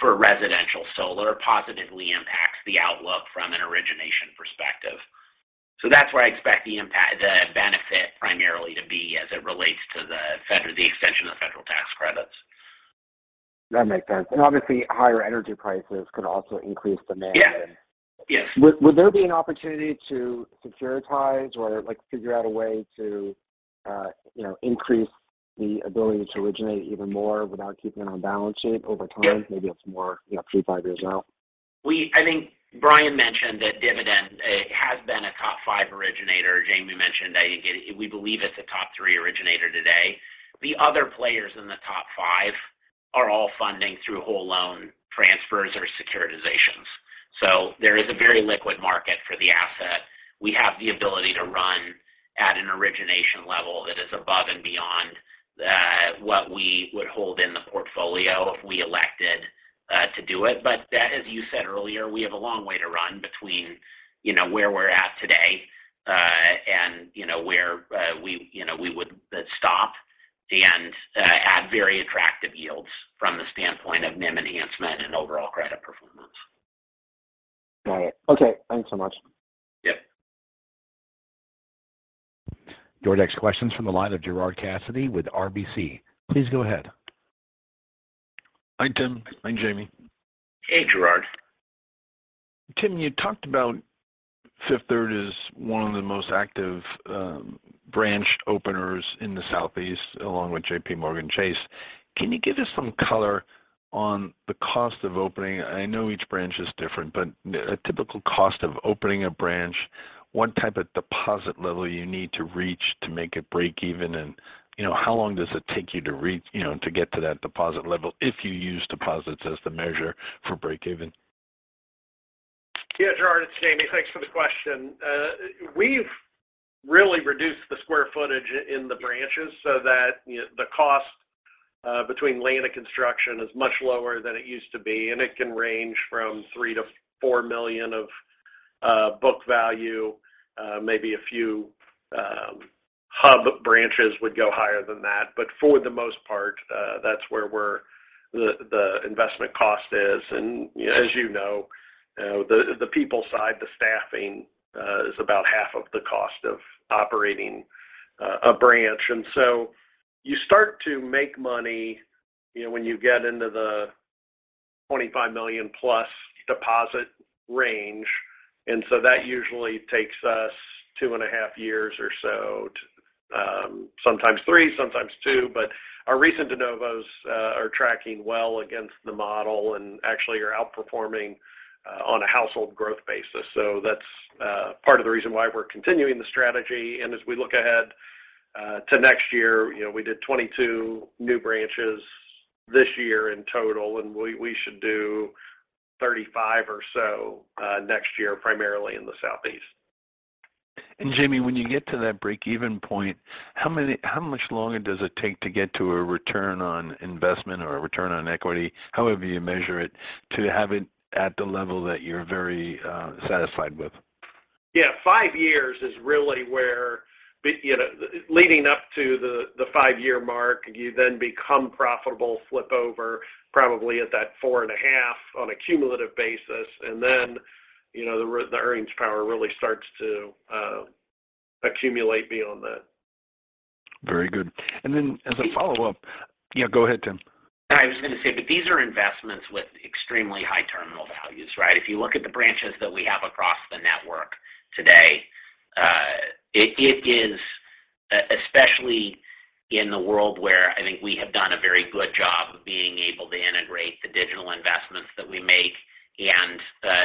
for residential solar positively impacts the outlook from an origination perspective. That's where I expect the benefit primarily to be as it relates to the extension of the federal tax credits. That makes sense. Obviously, higher energy prices could also increase demand. Yes. Yes. Would there be an opportunity to securitize or, like, figure out a way to, you know, increase the ability to originate even more without keeping it on balance sheet over time? Yes. Maybe it's more, you know, 3-5 years out. I think Brian mentioned that Dividend has been a top five originator. Jamie mentioned that, again, we believe it's a top three originator today. The other players in the top five are all funding through whole loan transfers or securitizations. There is a very liquid market for the asset. We have the ability to run at an origination level that is above and beyond what we would hold in the portfolio if we elected to do it. But as you said earlier, we have a long way to run between, you know, where we're at today, and, you know, where we would stop and at very attractive yields from the standpoint of NIM enhancement and overall credit performance. Got it. Okay. Thanks so much. Yeah. Your next question's from the line of Gerard Cassidy with RBC. Please go ahead. Hi, Tim. Hi, Jamie. Hey, Gerard. Tim, you talked about Fifth Third is one of the most active branch openers in the Southeast, along with JPMorgan Chase. Can you give us some color on the cost of opening? I know each branch is different, but a typical cost of opening a branch, what type of deposit level you need to reach to make it break even? You know, how long does it take you to reach, you know, to get to that deposit level if you use deposits as the measure for break even? Yeah, Gerard, it's Jamie. Thanks for the question. We've really reduced the square footage in the branches so that, you know, the cost between land and construction is much lower than it used to be, and it can range from $3 million-$4 million of book value. Maybe a few hub branches would go higher than that. For the most part, that's where the investment cost is. As you know, the people side, the staffing is about half of the cost of operating a branch. You start to make money, you know, when you get into the $25 million+ deposit range. That usually takes us two and a half years or so, sometimes three, sometimes two. Our recent de novos are tracking well against the model and actually are outperforming on a household growth basis. That's part of the reason why we're continuing the strategy. As we look ahead to next year, you know, we did 22 new branches this year in total, and we should do 35 or so next year, primarily in the Southeast. Jamie, when you get to that break-even point, how much longer does it take to get to a return on investment or a return on equity, however you measure it, to have it at the level that you're very, satisfied with? Yeah. Five years is really where, you know, leading up to the five-year mark, you then become profitable, flip over probably at that 4.5 on a cumulative basis. Then, you know, the earnings power really starts to accumulate beyond that. Very good. As a follow-up. Yeah, go ahead, Tim. I was going to say, but these are investments with extremely high terminal values, right? If you look at the branches that we have across the network today, it is, especially in the world where I think we have done a very good job of being able to integrate the digital investments that we make and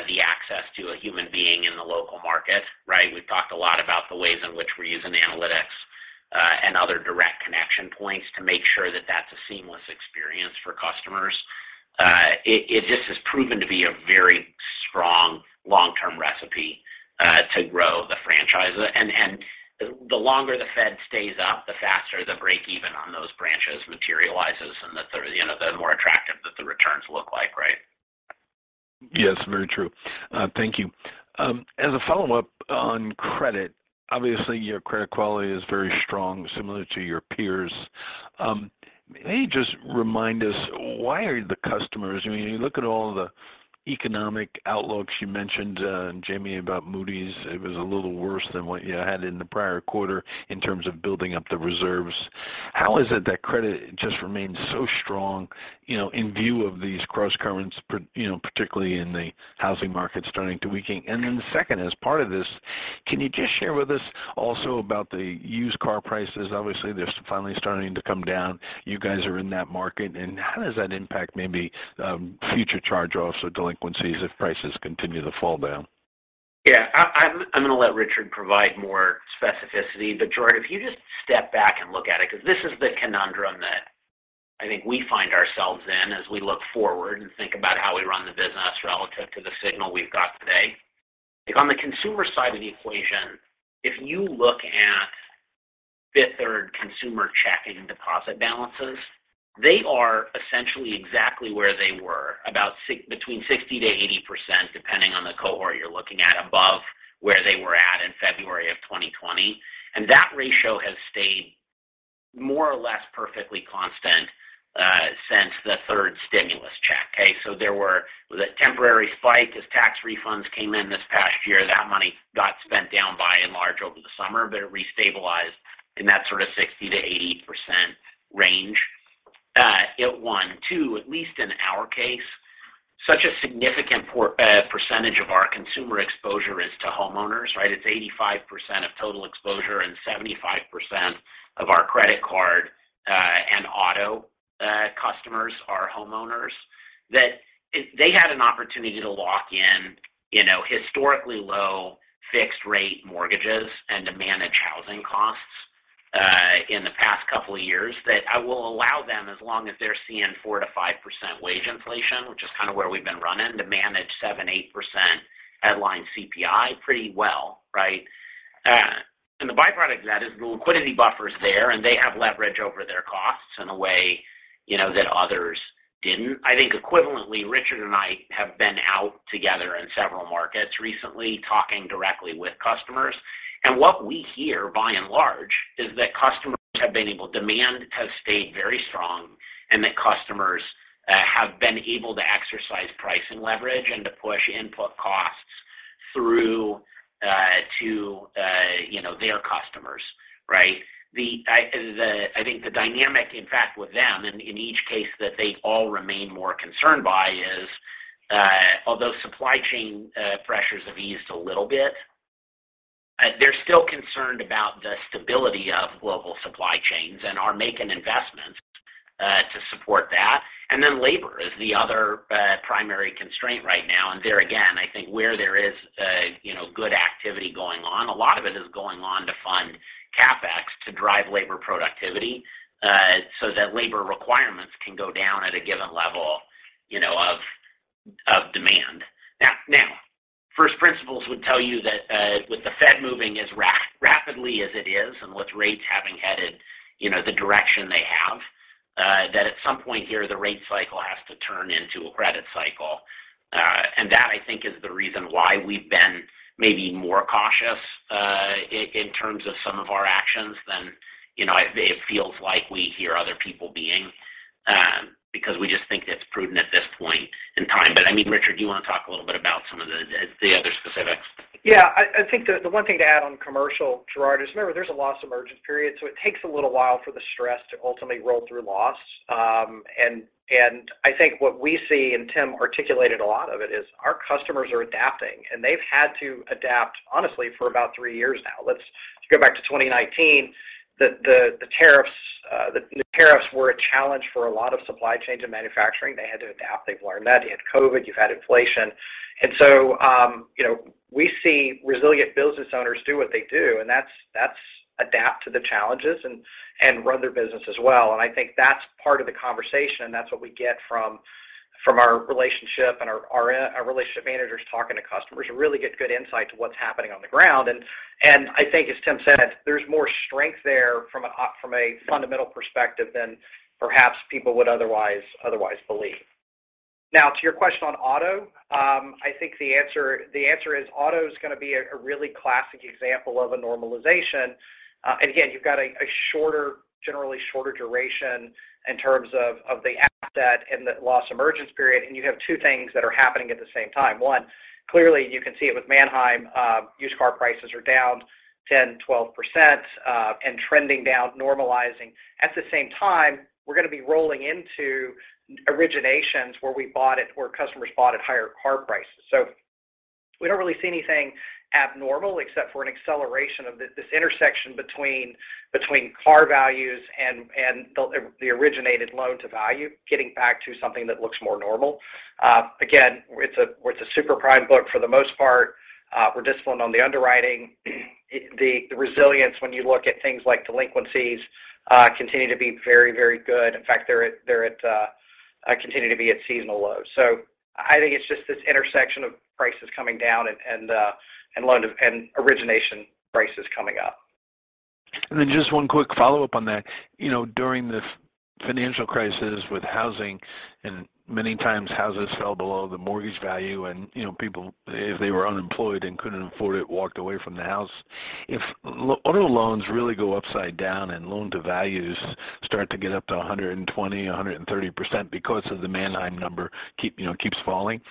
the access to a human being in the local market, right? We've talked a lot about the ways in which we're using analytics and other direct connection points to make sure that that's a seamless experience for customers. It just has proven to be a very strong long-term recipe to grow the franchise. The longer the Fed stays up, the faster the break even on those branches materializes and, you know, the more attractive that the returns look like, right? Yes, very true. Thank you. As a follow-up on credit, obviously your credit quality is very strong, similar to your peers. May you just remind us why the customers—I mean, you look at all the economic outlooks. You mentioned, Jamie, about Moody's. It was a little worse than what you had in the prior quarter in terms of building up the reserves. How is it that credit just remains so strong, you know, in view of these crosscurrents, particularly, you know, in the housing market starting to weaken? And then second, as part of this, can you just share with us also about the used car prices? Obviously, they're finally starting to come down. You guys are in that market. And how does that impact maybe, future charge-offs or delinquencies if prices continue to fall down? Yeah. I'm gonna let Richard provide more specificity. Gerard, if you just step back and look at it, 'cause this is the conundrum that I think we find ourselves in as we look forward and think about how we run the business relative to the signal we've got today. On the consumer side of the equation, if you look at Fifth Third consumer checking and deposit balances, they are essentially exactly where they were, about between 60%-80%, depending on the cohort you're looking at above where they were at in February of 2020. That ratio has stayed more or less perfectly constant since the third stimulus check. Okay? There were the temporary spike as tax refunds came in this past year. That money got spent down by and large over the summer, but it restabilized in that sorta 60%-80% range. At least in our case, such a significant percentage of our consumer exposure is to homeowners, right? It's 85% of total exposure and 75% of our credit card and auto customers are homeowners, that they had an opportunity to lock in, you know, historically low fixed rate mortgages and to manage housing costs in the past couple of years that I will allow them as long as they're seeing 4%-5% wage inflation, which is kinda where we've been running, to manage 7%-8% headline CPI pretty well, right? The byproduct of that is the liquidity buffer is there, and they have leverage over their costs in a way, you know, that others didn't. I think equivalently, Richard and I have been out together in several markets recently talking directly with customers. What we hear by and large is that demand has stayed very strong and that customers have been able to exercise pricing leverage and to push input costs through to their customers, right? I think the dynamic, in fact, with them in each case that they all remain more concerned by is, although supply chain pressures have eased a little bit, they're still concerned about the stability of global supply chains and are making investments to support that. Labor is the other primary constraint right now. There again, I think where there is, you know, good activity going on, a lot of it is going on to fund CapEx to drive labor productivity, so that labor requirements can go down at a given level, you know, of demand. Now first principles would tell you that, with the Fed moving as rapidly as it is and with rates having headed, you know, the direction they have, that at some point here, the rate cycle has to turn into a credit cycle. That I think is the reason why we've been maybe more cautious, in terms of some of our actions than, you know, it feels like we hear other people being, because we just think it's prudent at this point in time. I mean, Richard, do you want to talk a little bit about some of the other specifics? Yeah. I think the one thing to add on commercial, Gerard, is remember there's a loss emergence period, so it takes a little while for the stress to ultimately roll through loss. I think what we see, and Tim articulated a lot of it, is our customers are adapting, and they've had to adapt honestly for about three years now. Let's go back to 2019. The tariffs were a challenge for a lot of supply chains and manufacturing. They had to adapt. They've learned that. You had COVID. You've had inflation. You know, we see resilient business owners do what they do, and that's adapt to the challenges and run their business as well. I think that's part of the conversation. That's what we get from our relationship and our relationship managers talking to customers who really get good insight to what's happening on the ground. I think as Tim said, there's more strength there from a fundamental perspective than perhaps people would otherwise believe. Now to your question on auto, I think the answer is auto is gonna be a really classic example of a normalization. Again, you've got a shorter, generally shorter duration in terms of the asset and the loss emergence period, and you have two things that are happening at the same time. One, clearly you can see it with Manheim, used car prices are down 10%-12%, and trending down, normalizing. At the same time, we're gonna be rolling into originations where we bought at or our customers bought at higher car prices. We don't really see anything abnormal except for an acceleration of this intersection between car values and the originated loan to value getting back to something that looks more normal. Again, it's a super prime book for the most part. We're disciplined on the underwriting. The resilience when you look at things like delinquencies continue to be very, very good. In fact, they continue to be at seasonal lows. I think it's just this intersection of prices coming down and origination prices coming down. Then just one quick follow-up on that. You know, during the financial crisis with housing and many times houses fell below the mortgage value and, you know, people if they were unemployed and couldn't afford it, walked away from the house. If auto loans really go upside down and loan to values start to get up to 120, 130% because of the Manheim number keeps falling.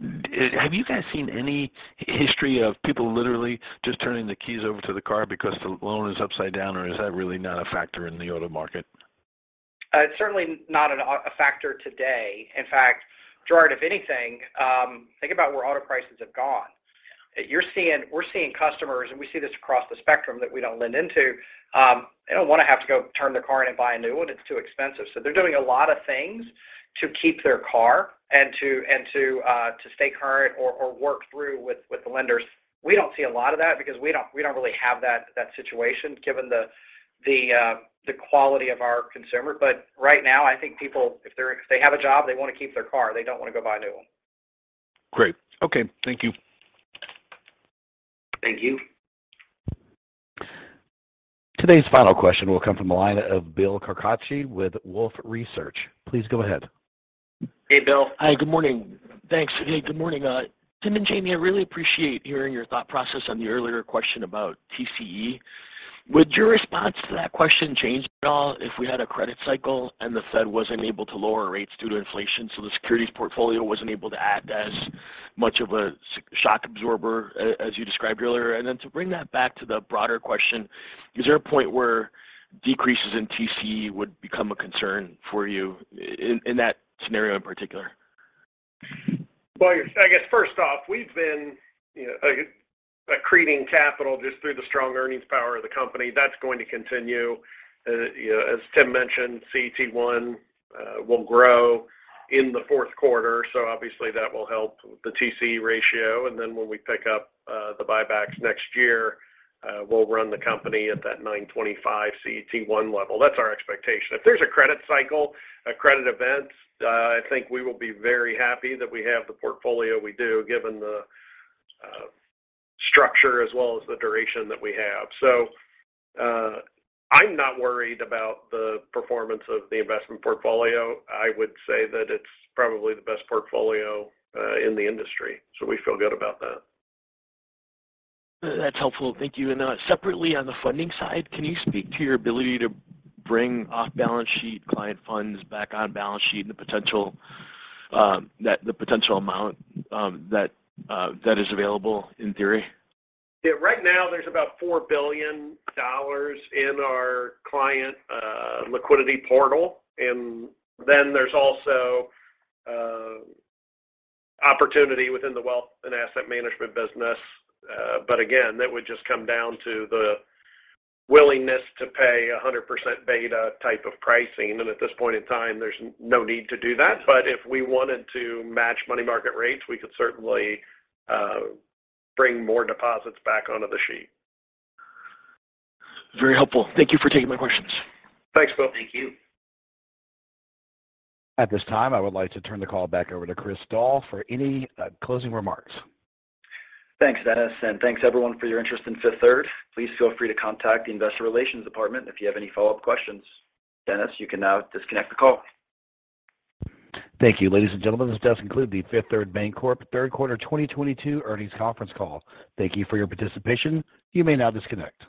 You know, have you guys seen any history of people literally just turning the keys over to the car because the loan is upside down, or is that really not a factor in the auto market? It's certainly not a factor today. In fact, Gerard, if anything, think about where auto prices have gone. We're seeing customers, and we see this across the spectrum that we don't lend into, they don't want to have to go turn their car in and buy a new one. It's too expensive. They're doing a lot of things to keep their car and to stay current or work through with the lenders. We don't see a lot of that because we don't really have that situation given the quality of our consumer. Right now, I think people, if they have a job, they want to keep their car. They don't want to go buy a new one. Great. Okay. Thank you. Thank you. Today's final question will come from the line of Bill Carcache with Wolfe Research. Please go ahead. Hey, Bill. Hi, good morning. Thanks. Hey, good morning. Tim and Jamie, I really appreciate hearing your thought process on the earlier question about TCE. Would your response to that question change at all if we had a credit cycle and the Fed wasn't able to lower rates due to inflation, so the securities portfolio wasn't able to act as much of a shock absorber as you described earlier? To bring that back to the broader question, is there a point where decreases in TCE would become a concern for you in that scenario in particular? Well, I guess first off, we've been, you know, accreting capital just through the strong earnings power of the company. That's going to continue. You know, as Tim mentioned, CET1 will grow in the fourth quarter, so obviously that will help the TCE ratio. When we pick up the buybacks next year, we'll run the company at that 9.25 CET1 level. That's our expectation. If there's a credit cycle, a credit event, I think we will be very happy that we have the portfolio we do, given the structure as well as the duration that we have. I'm not worried about the performance of the investment portfolio. I would say that it's probably the best portfolio in the industry. We feel good about that. That's helpful. Thank you. Separately, on the funding side, can you speak to your ability to bring off-balance sheet client funds back on-balance sheet and the potential amount that is available in theory? Yeah. Right now there's about $4 billion in our client liquidity portal. There's also opportunity within the wealth and asset management business. That would just come down to the willingness to pay 100% beta type of pricing. At this point in time, there's no need to do that. If we wanted to match money market rates, we could certainly bring more deposits back onto the sheet. Very helpful. Thank you for taking my questions. Thanks, Bill. Thank you. At this time, I would like to turn the call back over to Chris Doll for any, closing remarks. Thanks, Dennis. Thanks everyone for your interest in Fifth Third. Please feel free to contact the investor relations department if you have any follow-up questions. Dennis, you can now disconnect the call. Thank you. Ladies and gentlemen, this does conclude the Fifth Third Bancorp third quarter 2022 earnings conference call. Thank you for your participation. You may now disconnect.